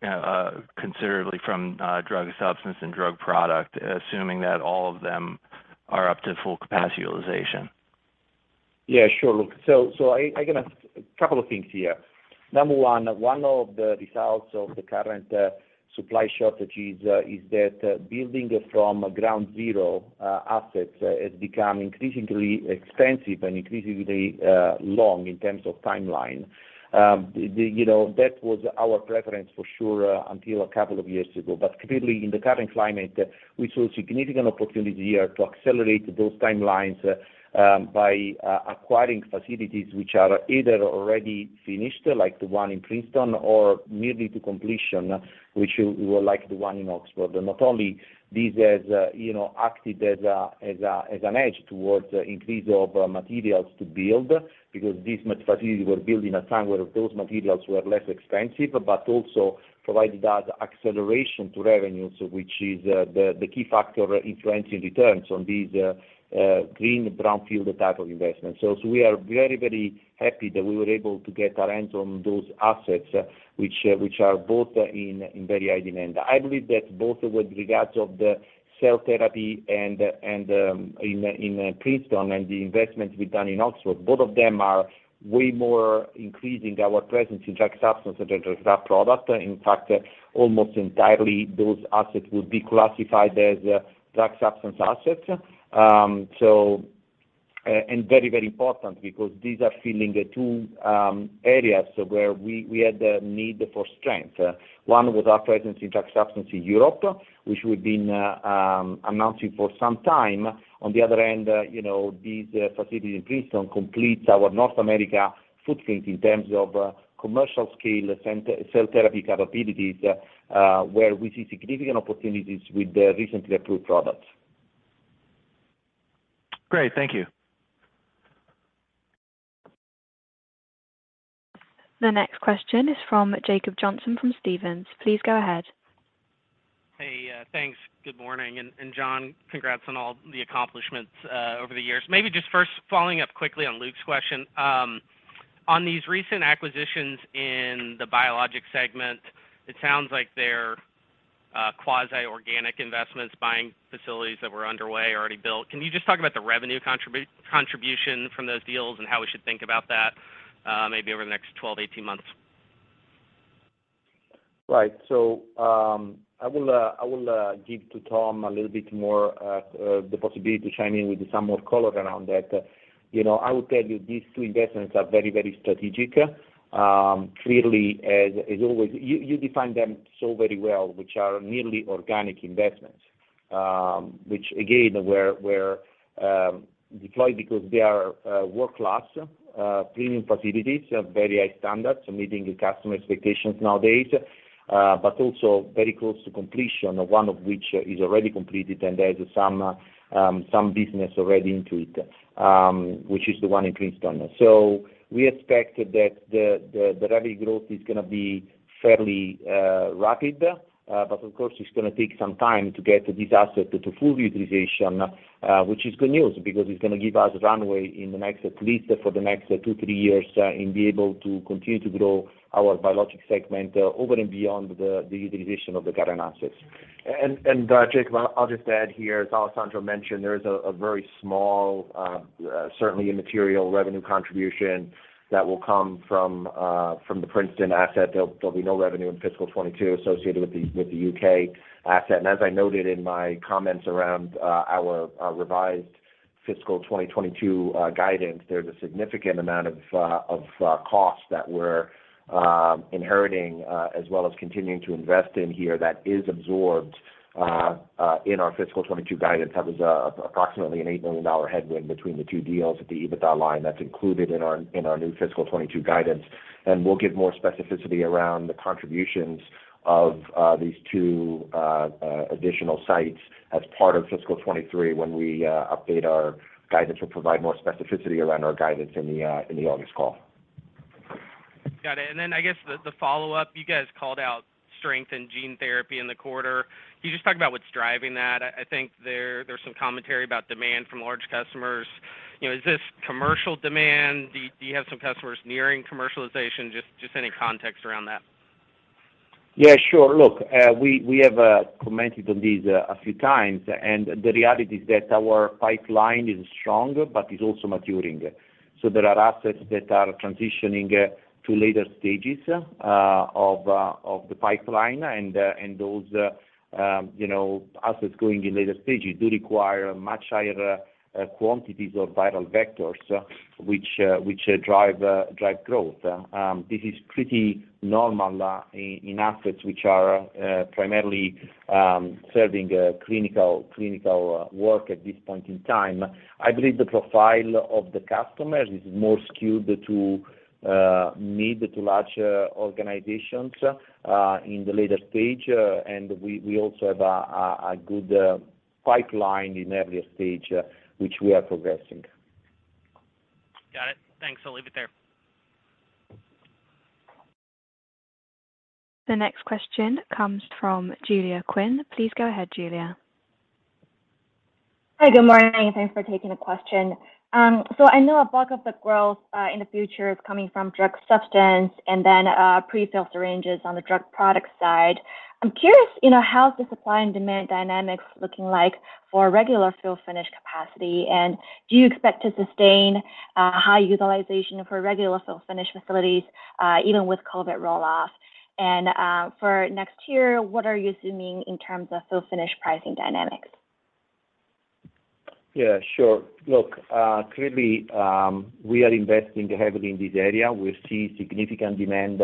considerably from drug substance and drug product, assuming that all of them are up to full capacity utilization? Yeah, sure, Luke. I gotta a couple of things here. Number one of the results of the current supply shortages is that building from ground zero assets has become increasingly expensive and increasingly long in terms of timeline. You know, that was our preference for sure until a couple of years ago. Clearly in the current climate, we saw a significant opportunity here to accelerate those timelines by acquiring facilities which are either already finished, like the one in Princeton, or nearly to completion, which were like the one in Oxford. Not only this has, you know, acted as an hedge against increase of materials to build, because these facilities were built in a time where those materials were less expensive, but also provided us acceleration to revenues, which is the key factor influencing returns on these, green brownfield type of investments. We are very happy that we were able to get our hands on those assets which are both in very high demand. I believe that both with regards of the cell therapy and in Princeton and the investments we've done in Oxford, both of them are way more increasing our presence in drug substance than the drug product. In fact, almost entirely those assets would be classified as drug substance assets. Very, very important because these are filling the two areas where we had the need for strength. One was our presence in drug substance in Europe, which we've been announcing for some time. On the other hand, you know, this facility in Princeton completes our North America footprint in terms of commercial scale cell therapy capabilities, where we see significant opportunities with the recently approved products. Great. Thank you. The next question is from Jacob Johnson from Stephens. Please go ahead. Hey, thanks. Good morning. John, congrats on all the accomplishments over the years. Maybe just first following up quickly on Luke's question. On these recent acquisitions in the biologics segment, it sounds like they're quasi organic investments, buying facilities that were underway, already built. Can you just talk about the revenue contribution from those deals and how we should think about that, maybe over the next 12-18 months? Right. I will give to Tom a little bit more the possibility to chime in with some more color around that. You know, I would tell you these two investments are very strategic. Clearly, as always, you defined them so very well, which are nearly organic investments, which again, were deployed because they are world-class premium facilities of very high standards, meeting the customer expectations nowadays, but also very close to completion, one of which is already completed, and there's some business already into it, which is the one in Princeton. We expect that the revenue growth is gonna be fairly rapid, but of course, it's gonna take some time to get this asset to full utilization, which is good news because it's gonna give us runway in the next, at least for the next two, three years, and be able to continue to grow our biologics segment, over and beyond the utilization of the current assets. Jacob, I'll just add here, as Alessandro mentioned, there is a very small, certainly immaterial revenue contribution that will come from the Princeton asset. There'll be no revenue in fiscal 2022 associated with the U.K. asset. As I noted in my comments around our revised fiscal 2022 guidance, there's a significant amount of costs that were inheriting as well as continuing to invest in here that is absorbed in our fiscal 2022 guidance. That was approximately an $8 million headwind between the two deals at the EBITDA line that's included in our new fiscal 2022 guidance. We'll give more specificity around the contributions of these two additional sites as part of fiscal 2023 when we update our guidance. We'll provide more specificity around our guidance in the August call. Got it. I guess the follow-up, you guys called out strength in gene therapy in the quarter. Can you just talk about what's driving that? I think there's some commentary about demand from large customers. You know, is this commercial demand? Do you have some customers nearing commercialization? Just any context around that. Yeah, sure. Look, we have commented on this a few times, and the reality is that our pipeline is strong, but it's also maturing. There are assets that are transitioning to later stages of the pipeline, and those, you know, assets going in later stages do require much higher quantities of viral vectors, which drive growth. This is pretty normal in assets which are primarily serving clinical work at this point in time. I believe the profile of the customers is more skewed to mid to large organizations in the later stage. We also have a good pipeline in earlier stage which we are progressing. Got it. Thanks. I'll leave it there. The next question comes from Julia Quinn. Please go ahead, Julia. Hi, good morning. Thanks for taking the question. I know a bulk of the growth in the future is coming from drug substance and then pre-filled syringes on the drug product side. I'm curious, you know, how the supply and demand dynamics looking like for regular fill-finish capacity, and do you expect to sustain high utilization for regular fill-finish facilities even with COVID roll-off? For next year, what are you assuming in terms of fill-finish pricing dynamics? Yeah, sure. Look, clearly, we are investing heavily in this area. We see significant demand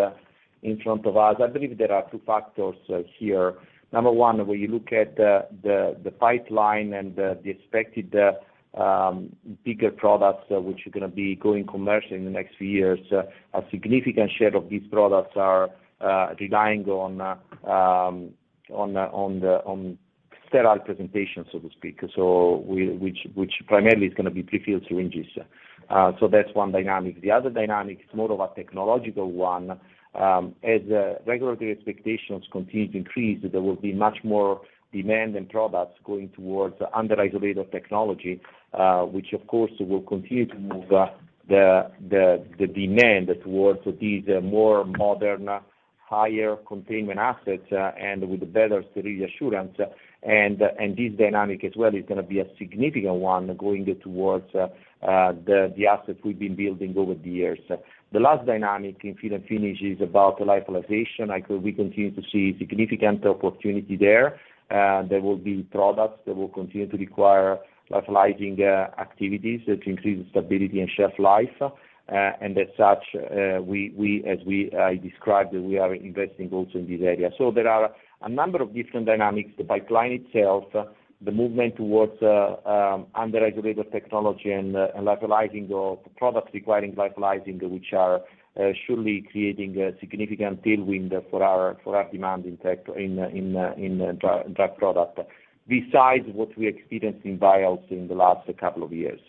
in front of us. I believe there are two factors here. Number one, when you look at the pipeline and the expected bigger products which are gonna be going commercial in the next few years, a significant share of these products are relying on the sterile presentation, so to speak. Which primarily is gonna be pre-filled syringes. So that's one dynamic. The other dynamic is more of a technological one. As regulatory expectations continue to increase, there will be much more demand and products going towards isolator technology, which of course will continue to move the demand towards these more modern, higher containment assets and with better sterility assurance. This dynamic as well is gonna be a significant one going towards the assets we've been building over the years. The last dynamic in fill and finish is about lyophilization. We continue to see significant opportunity there. There will be products that will continue to require lyophilizing activities to increase the stability and shelf life. As such, as we described, we are investing also in this area. There are a number of different dynamics, the pipeline itself, the movement towards under regulated technology and lyophilizing of products requiring lyophilizing, which are surely creating a significant tailwind for our demand in drug product. Besides what we experienced in vials in the last couple of years.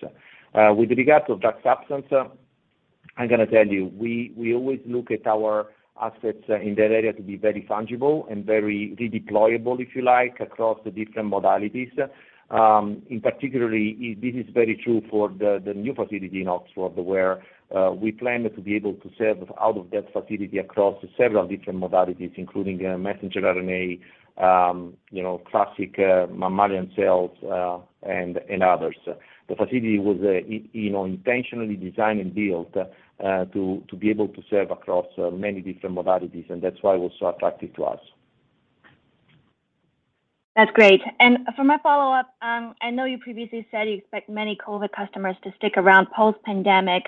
With regards to drug substance, I'm gonna tell you, we always look at our assets in that area to be very tangible and very redeployable, if you like, across the different modalities. In particular, this is very true for the new facility in Oxford, where we plan to be able to serve out of that facility across several different modalities, including messenger RNA, you know, classic mammalian cells, and others. The facility was, you know, intentionally designed and built to be able to serve across many different modalities, and that's why it was so attractive to us. That's great. For my follow-up, I know you previously said you expect many COVID customers to stick around post-pandemic.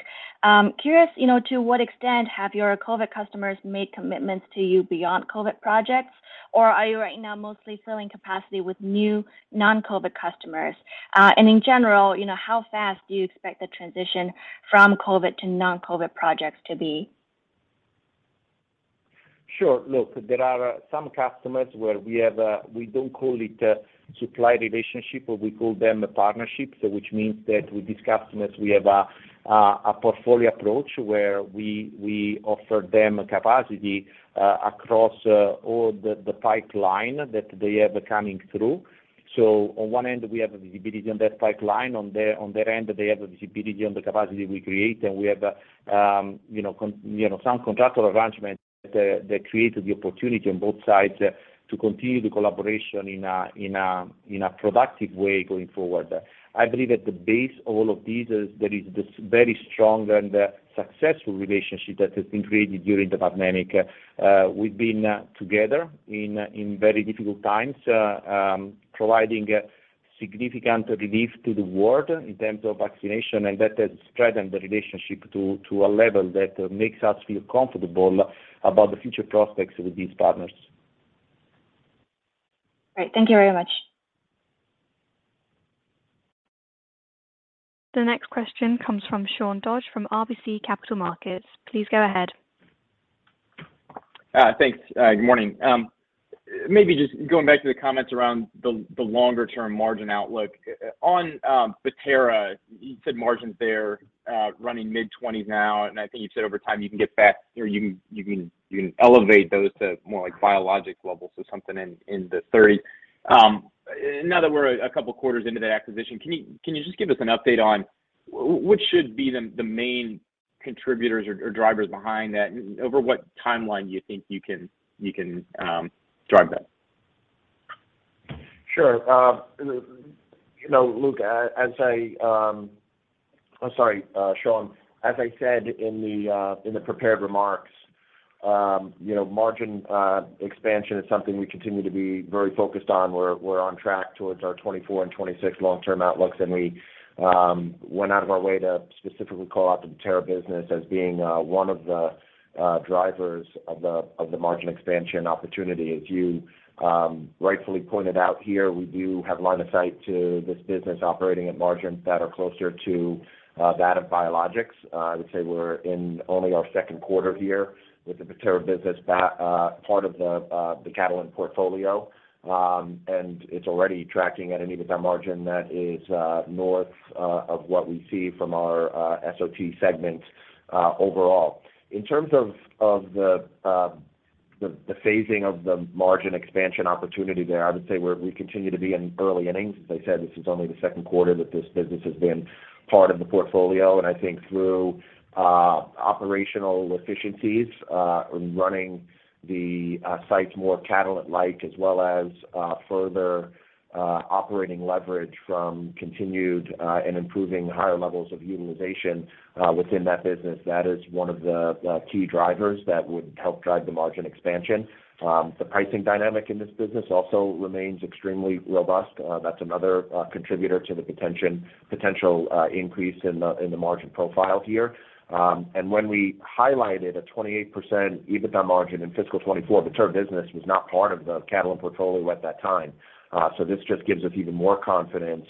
Curious, you know, to what extent have your COVID customers made commitments to you beyond COVID projects? Or are you right now mostly filling capacity with new non-COVID customers? In general, you know, how fast do you expect the transition from COVID to non-COVID projects to be? Sure. Look, there are some customers where we have we don't call it a supply relationship, but we call them a partnership, which means that with these customers, we have a portfolio approach where we offer them capacity across all the pipeline that they have coming through. So on one end, we have a visibility on that pipeline. On their end, they have a visibility on the capacity we create, and we have you know some contractual arrangement that creates the opportunity on both sides to continue the collaboration in a productive way going forward. I believe at the base, all of these is there is this very strong and successful relationship that has been created during the pandemic. We've been together in very difficult times, providing significant relief to the world in terms of vaccination, and that has strengthened the relationship to a level that makes us feel comfortable about the future prospects with these partners. All right. Thank you very much. The next question comes from Sean Dodge from RBC Capital Markets. Please go ahead. Thanks. Good morning. Maybe just going back to the comments around the longer-term margin outlook. On Bettera, you said margins there running mid-20s now, and I think you've said over time you can elevate those to more like biologic levels, so something in the 30s. Now that we're a couple quarters into that acquisition, can you just give us an update on which should be the main contributors or drivers behind that? Over what timeline do you think you can drive that? Sure. You know, Luke. I'm sorry, Sean. As I said in the prepared remarks, you know, margin expansion is something we continue to be very focused on. We're on track towards our 2024 and 2026 long-term outlooks, and we went out of our way to specifically call out the Bettera business as being one of the drivers of the margin expansion opportunity. As you rightfully pointed out here, we do have line of sight to this business operating at margins that are closer to that of biologics. I would say we're in only our second quarter here with the Bettera business, part of the Catalent portfolio, and it's already tracking at an EBITDA margin that is north of what we see from our SOT segment overall. In terms of the phasing of the margin expansion opportunity there, I would say we continue to be in early innings. As I said, this is only the second quarter that this business has been part of the portfolio. I think through operational efficiencies, running the sites more Catalent-like, as well as further operating leverage from continued and improving higher levels of utilization within that business, that is one of the key drivers that would help drive the margin expansion. The pricing dynamic in this business also remains extremely robust. That's another contributor to the potential increase in the margin profile here. When we highlighted a 28% EBITDA margin in fiscal 2024, Bettera business was not part of the Catalent portfolio at that time. This just gives us even more confidence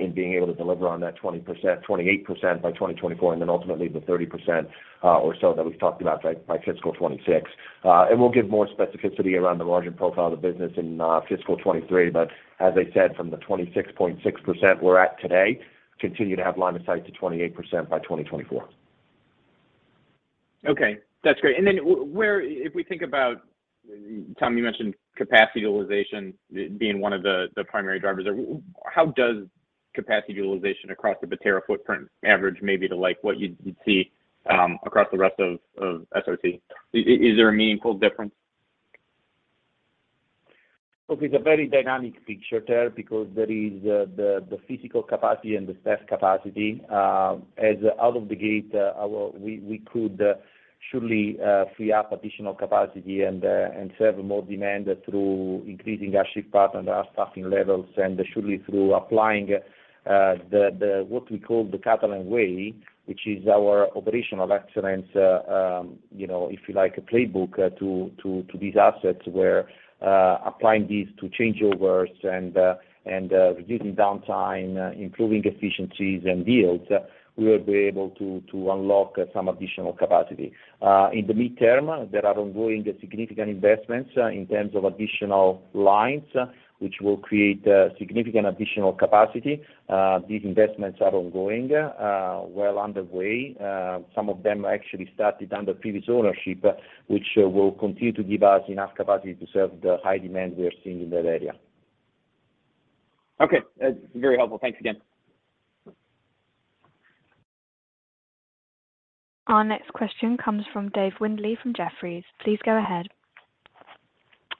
in being able to deliver on that 20%, 28% by 2024 and then ultimately the 30% or so that we've talked about by fiscal 2026. We'll give more specificity around the margin profile of the business in fiscal 2023. As I said, from the 26.6% we're at today, continue to have line of sight to 28% by 2024. Okay. That's great. Then where, if we think about, Tom, you mentioned capacity utilization being one of the primary drivers. How does capacity utilization across the Bettera footprint average maybe to like what you'd see across the rest of SOT? Is there a meaningful difference? Look, it's a very dynamic picture there because there is the physical capacity and the staff capacity. As out of the gate, we could surely free up additional capacity and serve more demand through increasing our shift pattern, our staffing levels, and surely through applying the what we call the Catalent way, which is our operational excellence, you know, if you like, a playbook to these assets where applying these to changeovers and reducing downtime, improving efficiencies and yields, we will be able to unlock some additional capacity. In the midterm, there are ongoing significant investments in terms of additional lines, which will create significant additional capacity. These investments are ongoing, well underway. Some of them actually started under previous ownership, which will continue to give us enough capacity to serve the high demand we are seeing in that area. Okay. That's very helpful. Thanks again. Our next question comes from Dave Windley from Jefferies. Please go ahead.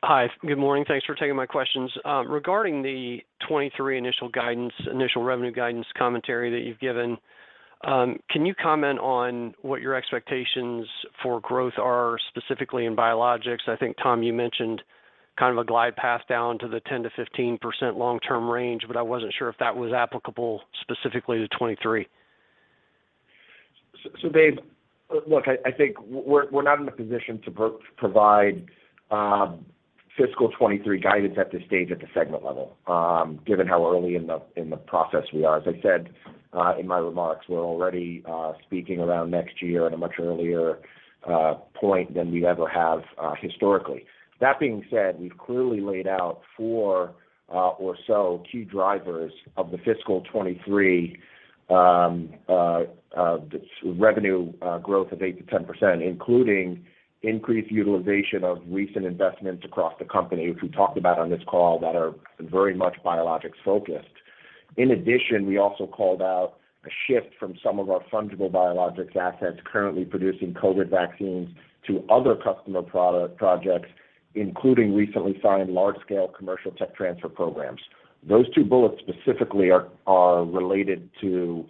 Hi. Good morning. Thanks for taking my questions. Regarding the 2023 initial guidance, initial revenue guidance commentary that you've given, can you comment on what your expectations for growth are specifically in biologics? I think, Tom, you mentioned kind of a glide path down to the 10%-15% long-term range, but I wasn't sure if that was applicable specifically to 2023. Dave, look, I think we're not in a position to provide fiscal 2023 guidance at this stage at the segment level, given how early in the process we are. As I said, in my remarks, we're already speaking around next year at a much earlier point than we ever have, historically. That being said, we've clearly laid out four or so key drivers of the fiscal 2023 revenue growth of 8%-10%, including increased utilization of recent investments across the company, which we talked about on this call that are very much biologics-focused. In addition, we also called out a shift from some of our fungible biologics assets currently producing COVID vaccines to other customer projects, including recently signed large-scale commercial tech transfer programs. Those two bullets specifically are related to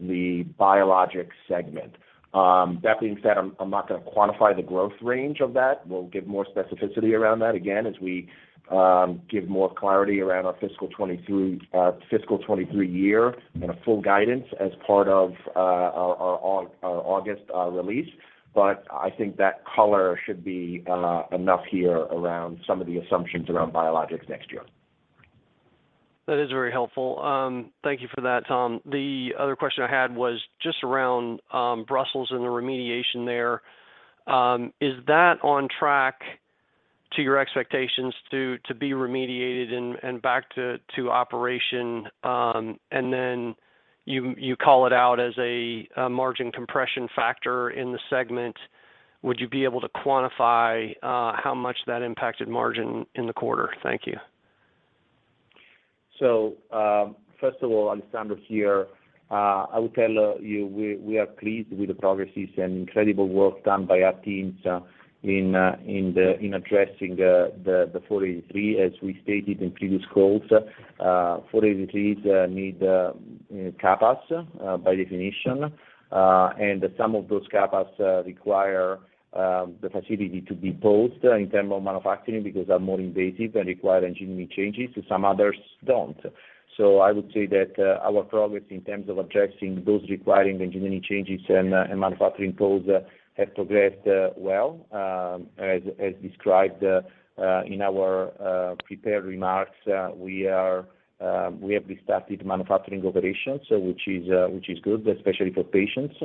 the biologics segment. That being said, I'm not gonna quantify the growth range of that. We'll give more specificity around that again as we give more clarity around our fiscal 2023 year and a full guidance as part of our August release. I think that color should be enough here around some of the assumptions around biologics next year. That is very helpful. Thank you for that, Tom. The other question I had was just around Brussels and the remediation there. Is that on track to your expectations to be remediated and back to operation, and then you call it out as a margin compression factor in the segment. Would you be able to quantify how much that impacted margin in the quarter? Thank you. First of all, Alessandro here. I will tell you, we are pleased with the progress and incredible work done by our teams in addressing the Form 483, as we stated in previous calls. Form 483s need CAPAs by definition. And some of those CAPAs require the facility to be paused in terms of manufacturing because they're more invasive and require engineering changes, so some others don't. I would say that our progress in terms of addressing those requiring engineering changes and manufacturing tools have progressed well, as described in our prepared remarks. We have restarted manufacturing operations, which is good, especially for patients.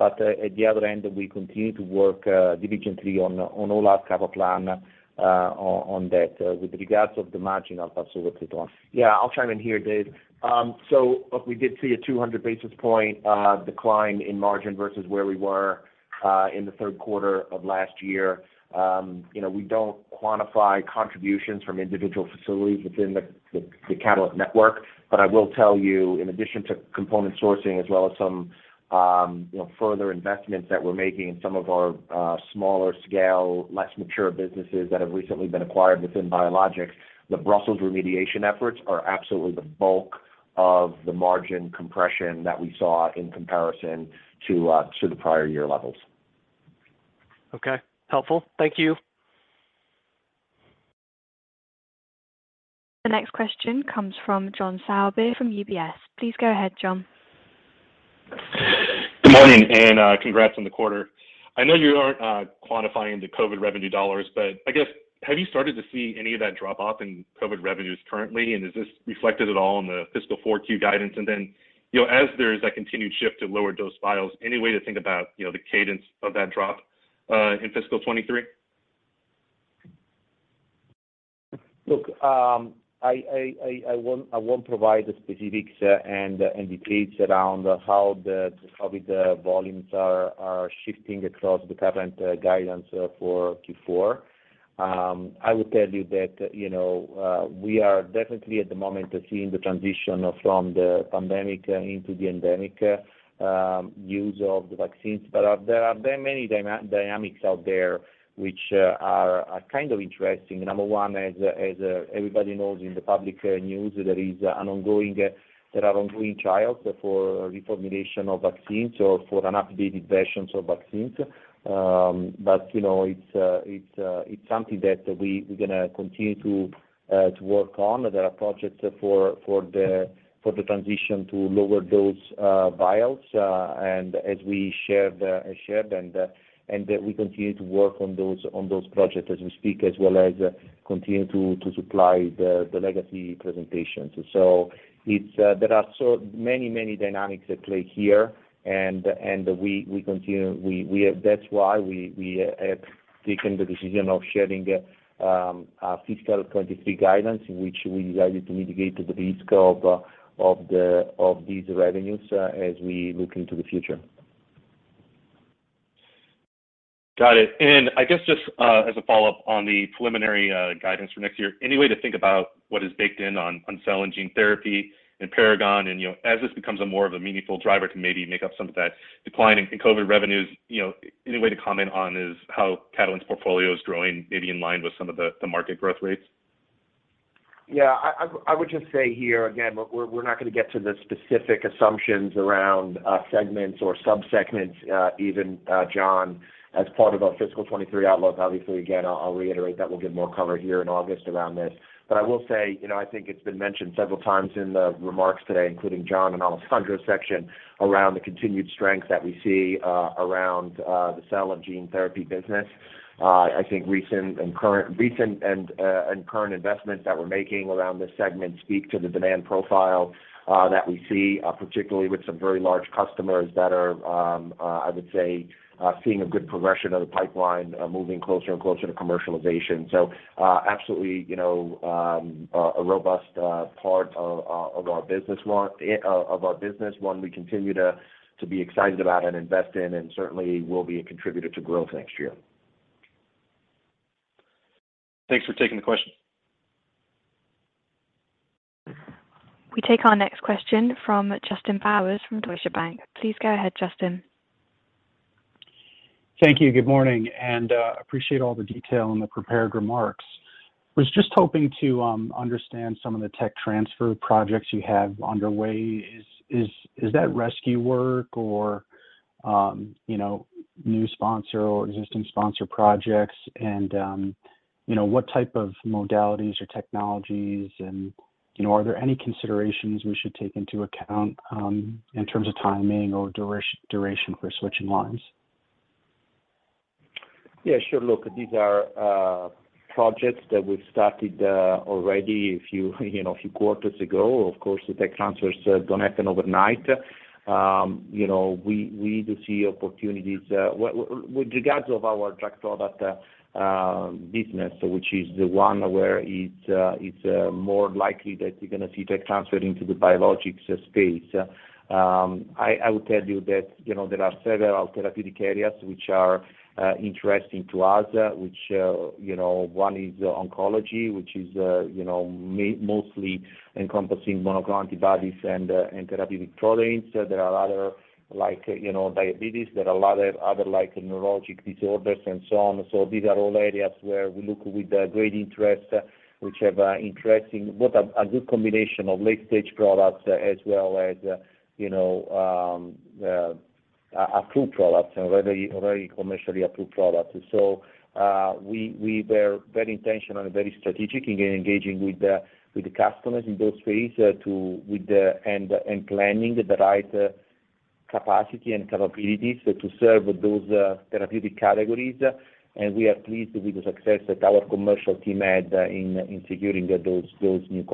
At the other end, we continue to work diligently on all our CapEx plan, on that. With regards to the margin, I'll pass over to Tom. Yeah. I'll chime in here, Dave. Look, we did see a 200 basis point decline in margin versus where we were in the third quarter of last year. You know, we don't quantify contributions from individual facilities within the Catalent network. I will tell you, in addition to component sourcing, as well as some you know further investments that we're making in some of our smaller scale, less mature businesses that have recently been acquired within Biologics, the Brussels remediation efforts are absolutely the bulk of the margin compression that we saw in comparison to the prior year levels. Okay. Helpful. Thank you. The next question comes from John Sourbeer from UBS. Please go ahead, John. Good morning, congrats on the quarter. I know you aren't quantifying the COVID revenue dollars, but I guess, have you started to see any of that drop-off in COVID revenues currently? Is this reflected at all in the fiscal 4Q guidance? You know, as there's that continued shift to lower dose vials, any way to think about, you know, the cadence of that drop in fiscal 2023? Look, I won't provide the specifics and the details around how the COVID volumes are shifting across the current guidance for Q4. I will tell you that, you know, we are definitely at the moment seeing the transition from the pandemic into the endemic use of the vaccines. There are many dynamics out there which are kind of interesting. Number one, as everybody knows in the public news, there are ongoing trials for reformulation of vaccines or for an updated versions of vaccines. you know, it's something that we're gonna continue to work on. There are projects for the transition to lower dose vials. As we shared and we continue to work on those projects as we speak, as well as continue to supply the legacy presentations. There are so many dynamics at play here and we continue. That's why we have taken the decision of sharing our fiscal 2023 guidance, in which we decided to mitigate the risk of these revenues as we look into the future. Got it. I guess just as a follow-up on the preliminary guidance for next year, any way to think about what is baked in on cell and gene therapy and Paragon and, you know, as this becomes more of a meaningful driver to maybe make up some of that decline in COVID revenues, you know, any way to comment on how Catalent's portfolio is growing maybe in line with some of the market growth rates? Yeah. I would just say here again, look, we're not gonna get to the specific assumptions around segments or sub-segments, even John, as part of our fiscal 2023 outlook. Obviously, again, I'll reiterate that we'll give more color here in August around this. I will say, you know, I think it's been mentioned several times in the remarks today, including John and Alessandro's section around the continued strength that we see around the cell and gene therapy business. I think recent and current investments that we're making around this segment speak to the demand profile that we see, particularly with some very large customers that are, I would say, seeing a good progression of the pipeline, moving closer and closer to commercialization. Absolutely, you know, a robust part of our business, one we continue to be excited about and invest in, and certainly will be a contributor to growth next year. Thanks for taking the question. We take our next question from Justin Bowers from Deutsche Bank. Please go ahead, Justin. Thank you. Good morning, and appreciate all the detail in the prepared remarks. Was just hoping to understand some of the tech transfer projects you have underway. Is that rescue work or, you know, new sponsor or existing sponsor projects? You know, what type of modalities or technologies and, you know, are there any considerations we should take into account in terms of timing or duration for switching lines? Yeah, sure. Look, these are projects that we've started already a few quarters ago. Of course, the tech transfers don't happen overnight. You know, we need to see opportunities. With regards to our drug product business, which is the one where it's more likely that you're gonna see tech transfer into the biologics space. I would tell you that, you know, there are several therapeutic areas which are interesting to us, which, you know, one is oncology, which is, you know, mostly encompassing monoclonal antibodies and therapeutic proteins. There are other like, you know, diabetes. There are a lot of other like neurologic disorders and so on. These are all areas where we look with great interest, which have interesting. With a good combination of late-stage products as well as you know approved products and very very commercially approved products. We were very intentional and very strategic in engaging with the customers in those spaces and planning the right capacity and capabilities to serve those therapeutic categories. We are pleased with the success that our commercial team had in securing those new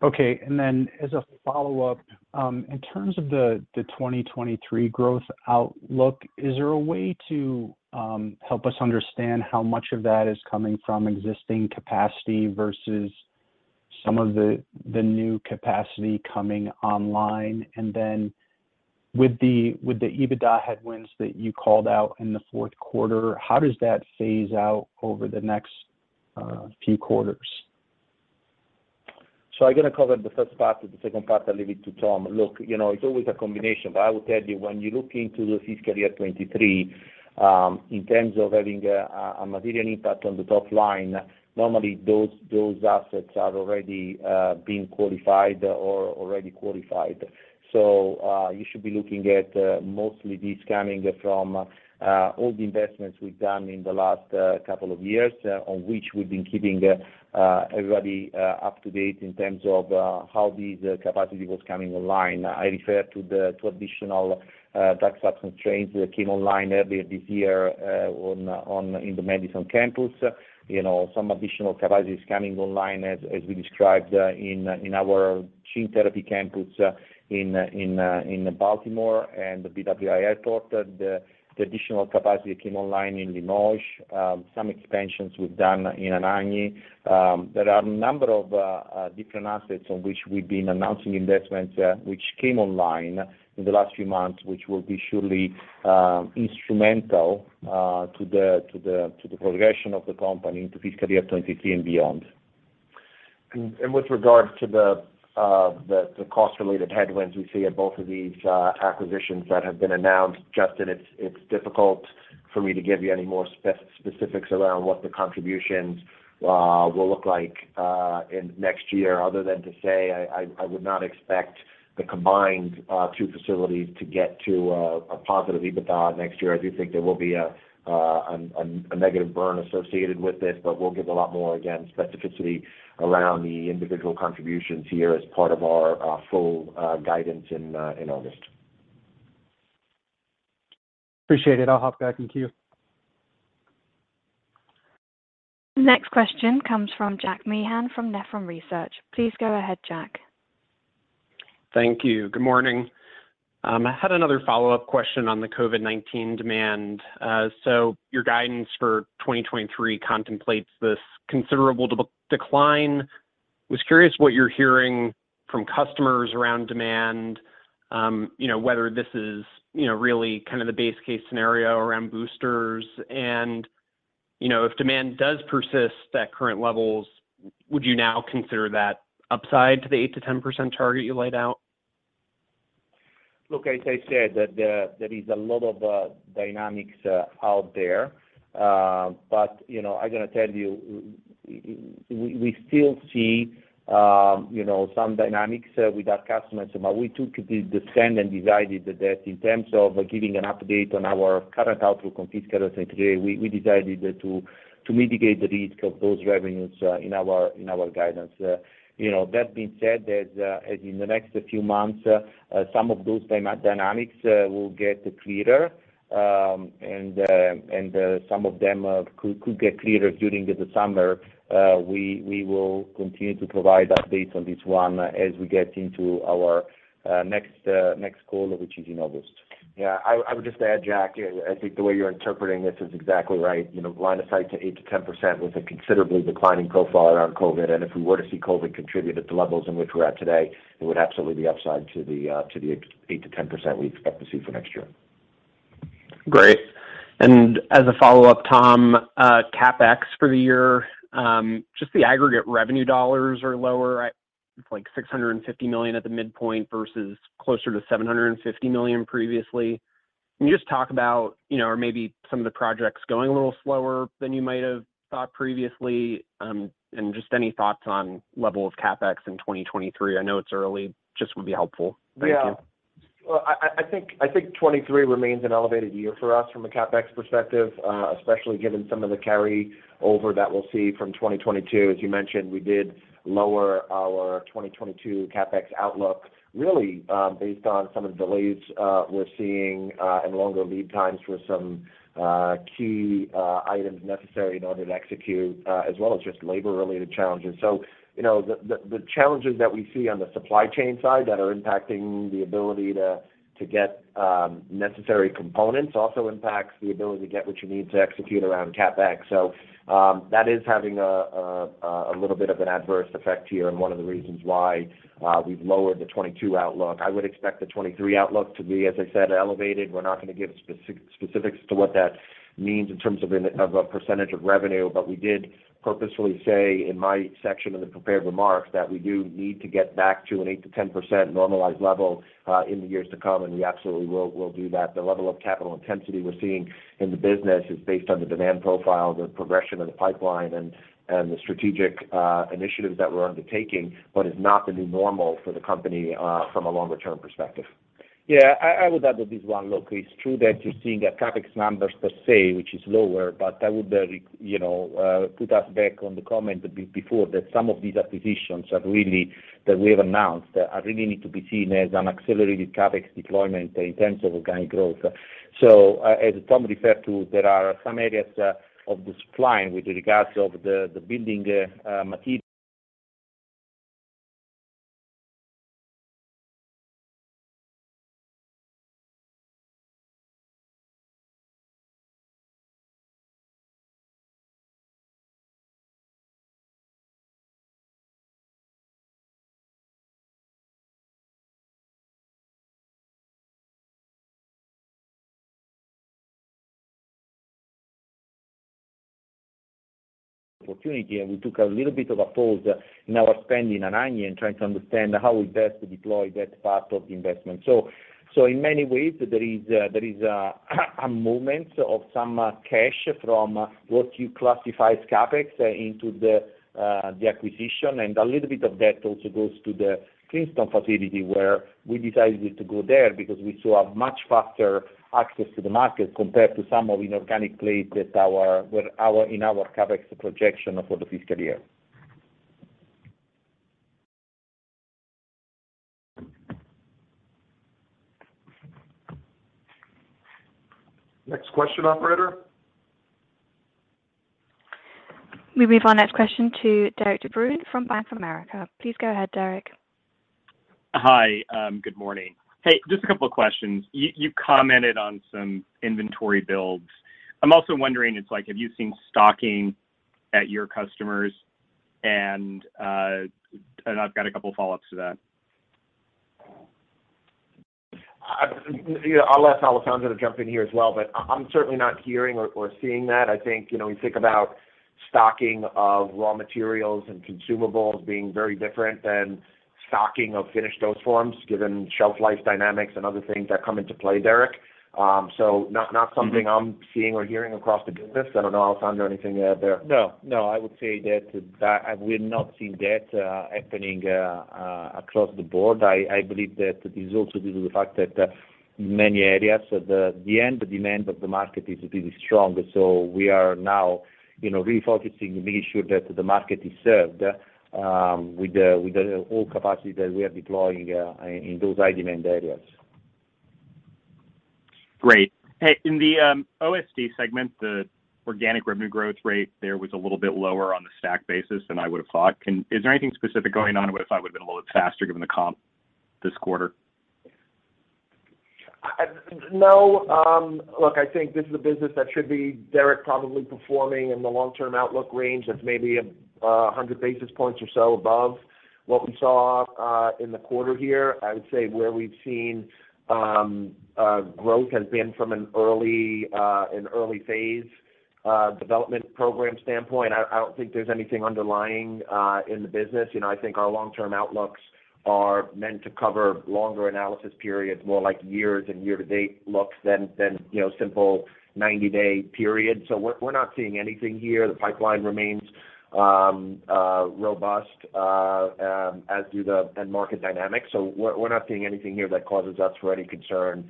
contracts. Okay. As a follow-up, in terms of the 2023 growth outlook, is there a way to help us understand how much of that is coming from existing capacity versus some of the new capacity coming online? With the EBITDA headwinds that you called out in the fourth quarter, how does that phase out over the next few quarters? I'm gonna cover the first part. The second part, I'll leave it to Tom. Look, you know, it's always a combination. I would tell you, when you look into the fiscal year 2023, in terms of having a material impact on the top line, normally, those assets are already being qualified or already qualified. You should be looking at mostly these coming from all the investments we've done in the last couple of years, on which we've been keeping everybody up to date in terms of how this capacity was coming online. I refer to the two additional drug substance trains that came online earlier this year in the Madison campus. You know, some additional capacity is coming online as we described in our gene therapy campus in Baltimore and the BWI. I thought that the additional capacity came online in Limoges, some expansions we've done in Anagni. There are a number of different assets on which we've been announcing investments, which came online in the last few months, which will be surely instrumental to the progression of the company into fiscal year 2023 and beyond. With regards to the cost-related headwinds we see at both of these acquisitions that have been announced, Justin, it's difficult for me to give you any more specifics around what the contributions will look like in next year other than to say I would not expect the combined two facilities to get to a positive EBITDA next year. I do think there will be a negative burn associated with this, but we'll give a lot more, again, specificity around the individual contributions here as part of our full guidance in August. Appreciate it. I'll hop back in queue. Next question comes from Jack Meehan from Nephron Research. Please go ahead, Jack. Thank you. Good morning. I had another follow-up question on the COVID-19 demand. Your guidance for 2023 contemplates this considerable decline. Was curious what you're hearing from customers around demand, you know, whether this is, you know, really kind of the base case scenario around boosters. You know, if demand does persist at current levels, would you now consider that upside to the 8%-10% target you laid out? Look, as I said, there is a lot of dynamics out there. You know, I'm gonna tell you, we still see, you know, some dynamics with our customers. We took the stand and decided that in terms of giving an update on our current outlook on fiscal 2023, we decided to mitigate the risk of those revenues in our guidance. You know, that being said, as in the next few months, some of those dynamics will get clearer, and some of them could get clearer during the summer. We will continue to provide updates on this one as we get into our next call, which is in August. Yeah. I would just add, Jack, I think the way you're interpreting this is exactly right. You know, line of sight to 8%-10% with a considerably declining profile around COVID. If we were to see COVID contribute at the levels in which we're at today, it would absolutely be upside to the 8%-10% we expect to see for next year. Great. As a follow-up, Tom, CapEx for the year, just the aggregate revenue dollars are lower. It's like $650 million at the midpoint versus closer to $750 million previously. Can you just talk about or maybe some of the projects going a little slower than you might have thought previously, and just any thoughts on level of CapEx in 2023. I know it's early, just would be helpful. Thank you. Yeah. Well, I think 2023 remains an elevated year for us from a CapEx perspective, especially given some of the carry over that we'll see from 2022. As you mentioned, we did lower our 2022 CapEx outlook really, based on some of the delays we're seeing, and longer lead times for some key items necessary in order to execute, as well as just labor related challenges. You know, the challenges that we see on the supply chain side that are impacting the ability to get necessary components also impacts the ability to get what you need to execute around CapEx. That is having a little bit of an adverse effect here and one of the reasons why we've lowered the 2022 outlook. I would expect the 2023 outlook to be, as I said, elevated. We're not gonna give specifics to what that means in terms of a percentage of revenue, but we did purposefully say in my section of the prepared remarks that we do need to get back to an 8%-10% normalized level in the years to come, and we absolutely will do that. The level of capital intensity we're seeing in the business is based on the demand profile, the progression of the pipeline, and the strategic initiatives that we're undertaking, but is not the new normal for the company from a longer term perspective. Yeah. I would add to this one. Look, it's true that you're seeing a CapEx number per se, which is lower, but I would refer us back to the comment before that some of these acquisitions that we have announced really need to be seen as an accelerated CapEx deployment in terms of organic growth. As Tom referred to, there are some areas of the supply chain with regard to the building opportunity, and we took a little bit of a pause in our spending in one, trying to understand how we best deploy that part of the investment. In many ways, there is a movement of some cash from what you classify as CapEx into the acquisition. A little bit of that also goes to the Oxford facility, where we decided to go there because we saw a much faster access to the market compared to some of inorganic plays that were in our CapEx projection for the fiscal year. Next question, operator. We move our next question to Derik de Bruin from Bank of America. Please go ahead, Derik. Hi. Good morning. Hey, just a couple of questions. You commented on some inventory builds. I'm also wondering, it's like, have you seen stocking at your customers? I've got a couple follow-ups to that. You know, I'll ask Alessandro to jump in here as well, but I'm certainly not hearing or seeing that. I think, you know, when you think about stocking of raw materials and consumables being very different than stocking of finished dosage forms given shelf life dynamics and other things that come into play, Derik. Not something I'm seeing or hearing across the business. I don't know, Alessandro, anything to add there. No, no. I would say that we're not seeing that happening across the board. I believe that this is also due to the fact that many areas of the end demand of the market is really strong. We are now, you know, refocusing to make sure that the market is served with all the capacity that we are deploying in those high demand areas. Great. Hey, in the OSD segment, the organic revenue growth rate there was a little bit lower on the stacked basis than I would have thought. Is there anything specific going on? I would have thought it would have been a little bit faster given the comp this quarter. No. Look, I think this is a business that should be, Derik, probably performing in the long-term outlook range of maybe, 100 basis points or so above what we saw, in the quarter here. I would say where we've seen growth has been from an early phase development program standpoint. I don't think there's anything underlying, in the business. You know, I think our long-term outlooks are meant to cover longer analysis periods, more like years and year-to-date looks than you know, simple 90-day periods. We're not seeing anything here. The pipeline remains robust, as do the end market dynamics. We're not seeing anything here that causes us for any concern,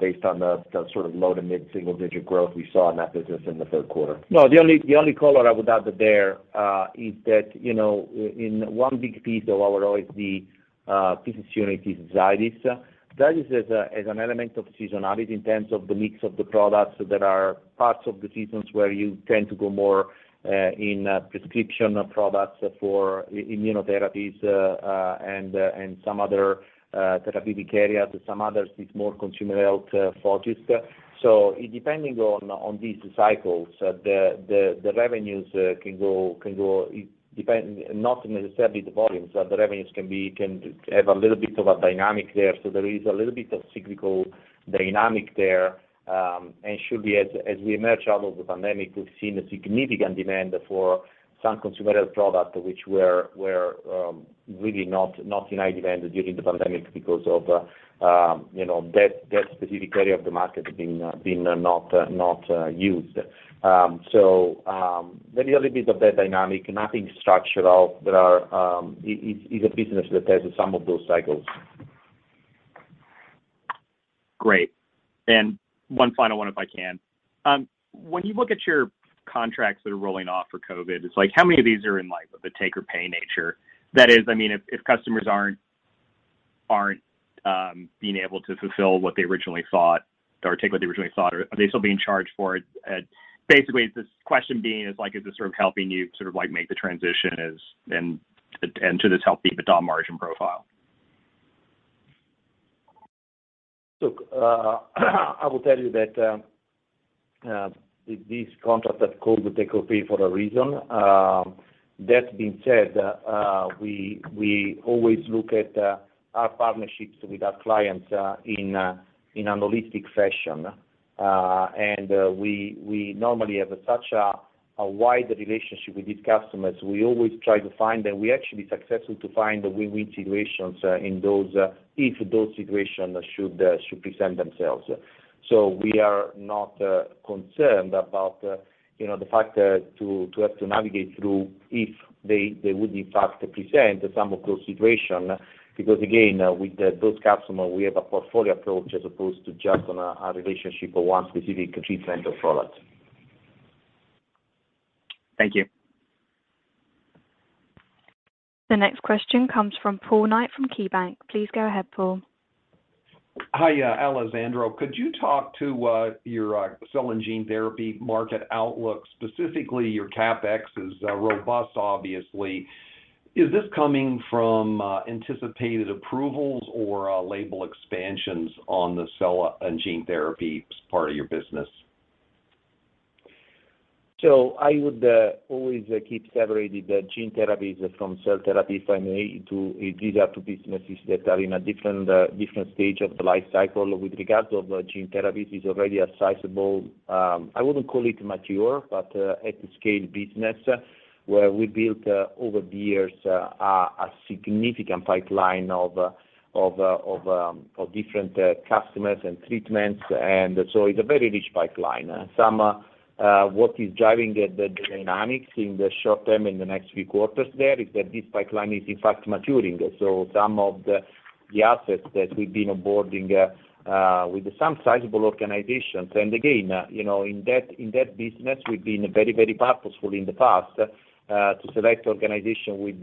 based on the sort of low to mid-single digit growth we saw in that business in the third quarter. No, the only color I would add there is that, you know, in one big piece of our OSD business unit is Zydis. Zydis is an element of seasonality in terms of the mix of the products. There are parts of the seasons where you tend to go more in prescription products for immunotherapies and some other therapeutic areas. Some others, it's more consumer health focuses. So depending on these cycles, the revenues can go, not necessarily the volumes. The revenues can have a little bit of a dynamic there. So there is a little bit of cyclical dynamic there. Surely as we emerge out of the pandemic, we've seen a significant demand for some consumer health product, which were really not in high demand during the pandemic because of, you know, that specific area of the market had been not used. Maybe a little bit of that dynamic, nothing structural. It's a business that has some of those cycles. Great. One final one, if I can. When you look at your contracts that are rolling off for COVID, it's like how many of these are in like, the take or pay nature? That is, I mean, if customers aren't being able to fulfill what they originally thought or take what they originally thought, are they still being charged for it? Basically, it's this question is like, is this sort of helping you sort of like make the transition and to this helping the bottom margin profile? Look, I will tell you that these contracts are called the take or pay for a reason. That being said, we always look at our partnerships with our clients in a holistic fashion. We normally have such a wide relationship with these customers. We always try to find them. We're actually successful to find win-win situations in those if those situations should present themselves. We are not concerned about you know the fact to have to navigate through if they would in fact present some of those situations. Because again, with those customers, we have a portfolio approach as opposed to just on a relationship or one specific treatment or product. Thank you. The next question comes from Paul Knight from KeyBanc. Please go ahead, Paul. Hi, Alessandro. Could you talk to your cell and gene therapy market outlook, specifically your CapEx is robust, obviously. Is this coming from anticipated approvals or label expansions on the cell and gene therapy part of your business? I would always keep separated the gene therapies from cell therapy if I may. These are two businesses that are in a different stage of the life cycle. With regard to gene therapies, it's already a sizable, I wouldn't call it mature, but at scale business, where we built over the years a significant pipeline of different customers and treatments, and so it's a very rich pipeline. So what is driving the dynamics in the short term, in the next few quarters, there is that this pipeline is in fact maturing. Some of the assets that we've been onboarding with some sizable organizations. Again, you know, in that business, we've been very purposeful in the past to select organizations with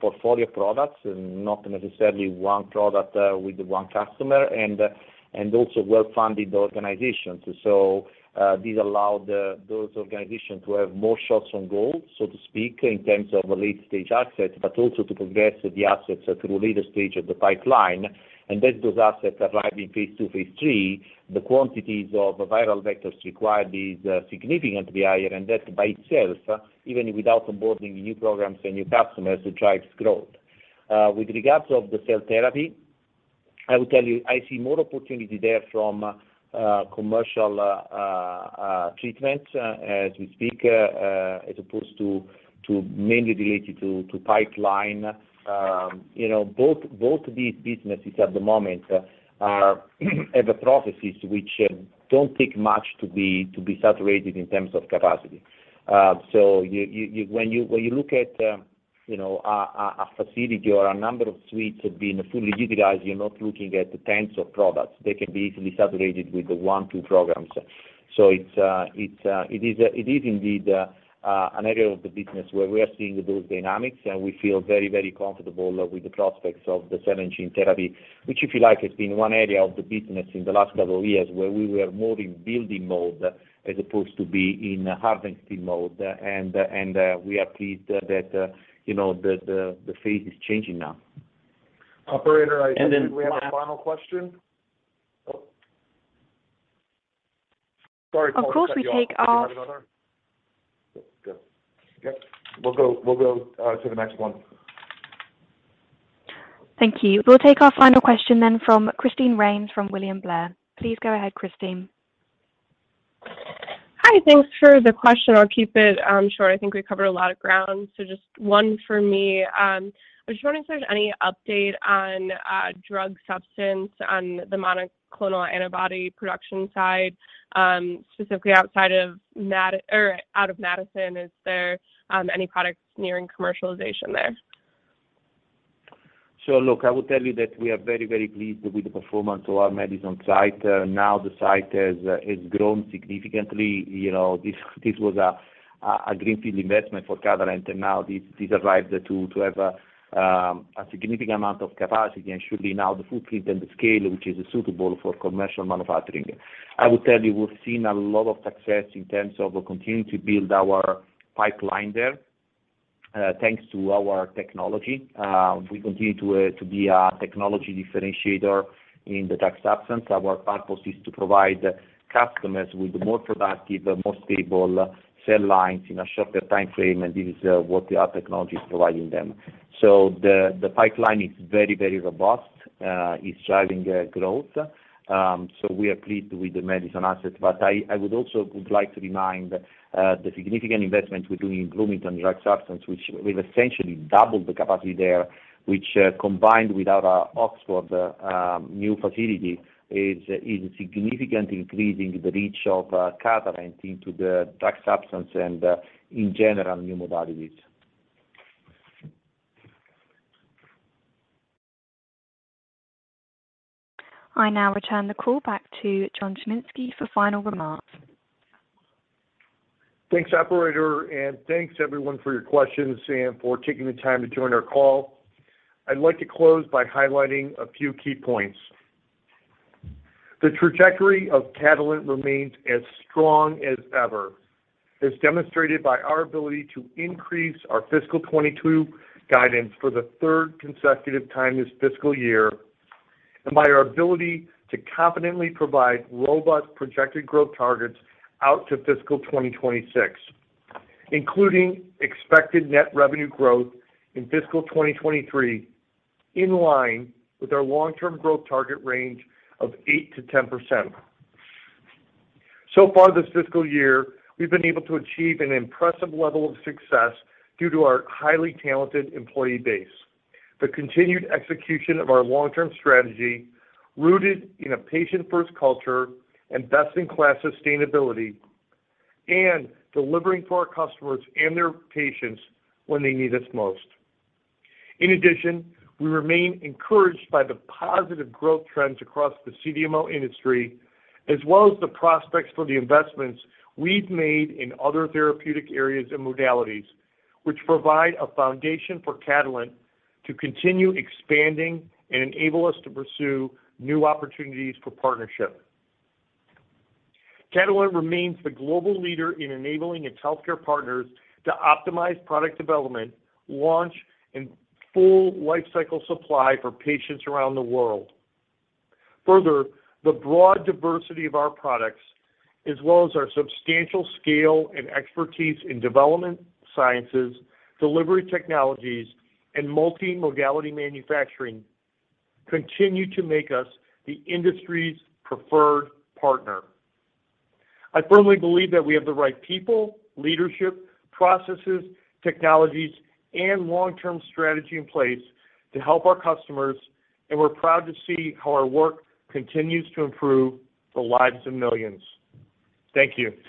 portfolio products and not necessarily one product with one customer and also well-funded organizations. This allows those organizations to have more shots on goal, so to speak, in terms of late-stage assets, but also to progress the assets through later stage of the pipeline. Then those assets arrive in phase II, phase III, the quantities of viral vectors required is significantly higher, and that by itself, even without onboarding new programs and new customers, it drives growth. With regard to the cell therapy, I will tell you, I see more opportunity there from commercial treatment as we speak, as opposed to mainly related to pipeline. You know, both these businesses at the moment have processes which don't take much to be saturated in terms of capacity. When you look at a facility or a number of suites being fully utilized, you're not looking at tens of products. They can be easily saturated with one, two programs. It is indeed an area of the business where we are seeing those dynamics, and we feel very comfortable with the prospects of the cell and gene therapy, which if you like has been one area of the business in the last several years where we were more in building mode as opposed to be in harvesting mode. We are pleased that, you know, the phase is changing now. Operator, I think we have a final question. Of course, we take our. Sorry Paul. We'll go to the next one. Thank you. We'll take our final question then from Christine Rains from William Blair. Please go ahead, Christine. Hi. Thanks for the question. I'll keep it short. I think we covered a lot of ground, so just one for me. I was just wondering if there's any update on drug substance on the monoclonal antibody production side, specifically outside of Madison, is there any products nearing commercialization there? Look, I would tell you that we are very, very pleased with the performance of our Madison site. Now the site has grown significantly. You know, this was a greenfield investment for Catalent, and now this arrives to have a significant amount of capacity and should be now the footprint and the scale, which is suitable for commercial manufacturing. I would tell you we've seen a lot of success in terms of continuing to build our pipeline there, thanks to our technology. We continue to be a technology differentiator in the drug substance. Our purpose is to provide customers with more productive, more stable cell lines in a shorter timeframe, and this is what our technology is providing them. The pipeline is very, very robust. It's driving growth. We are pleased with the Madison asset. I would like to remind the significant investment we do in Bloomington drug substance, which we've essentially doubled the capacity there, which combined with our Oxford new facility is significantly increasing the reach of Catalent into the drug substance and in general new modalities. I now return the call back to John Chiminski for final remarks. Thanks, operator, and thanks everyone for your questions and for taking the time to join our call. I'd like to close by highlighting a few key points. The trajectory of Catalent remains as strong as ever, as demonstrated by our ability to increase our fiscal 2022 guidance for the third consecutive time this fiscal year, and by our ability to confidently provide robust projected growth targets out to fiscal 2026, including expected net revenue growth in fiscal 2023, in line with our long-term growth target range of 8%-10%. Far this fiscal year, we've been able to achieve an impressive level of success due to our highly talented employee base, the continued execution of our long-term strategy rooted in a patient-first culture and best-in-class sustainability, and delivering for our customers and their patients when they need us most. In addition, we remain encouraged by the positive growth trends across the CDMO industry, as well as the prospects for the investments we've made in other therapeutic areas and modalities, which provide a foundation for Catalent to continue expanding and enable us to pursue new opportunities for partnership. Catalent remains the global leader in enabling its healthcare partners to optimize product development, launch, and full lifecycle supply for patients around the world. Further, the broad diversity of our products, as well as our substantial scale and expertise in development, sciences, delivery technologies, and multi-modality manufacturing, continue to make us the industry's preferred partner. I firmly believe that we have the right people, leadership, processes, technologies, and long-term strategy in place to help our customers, and we're proud to see how our work continues to improve the lives of millions. Thank you.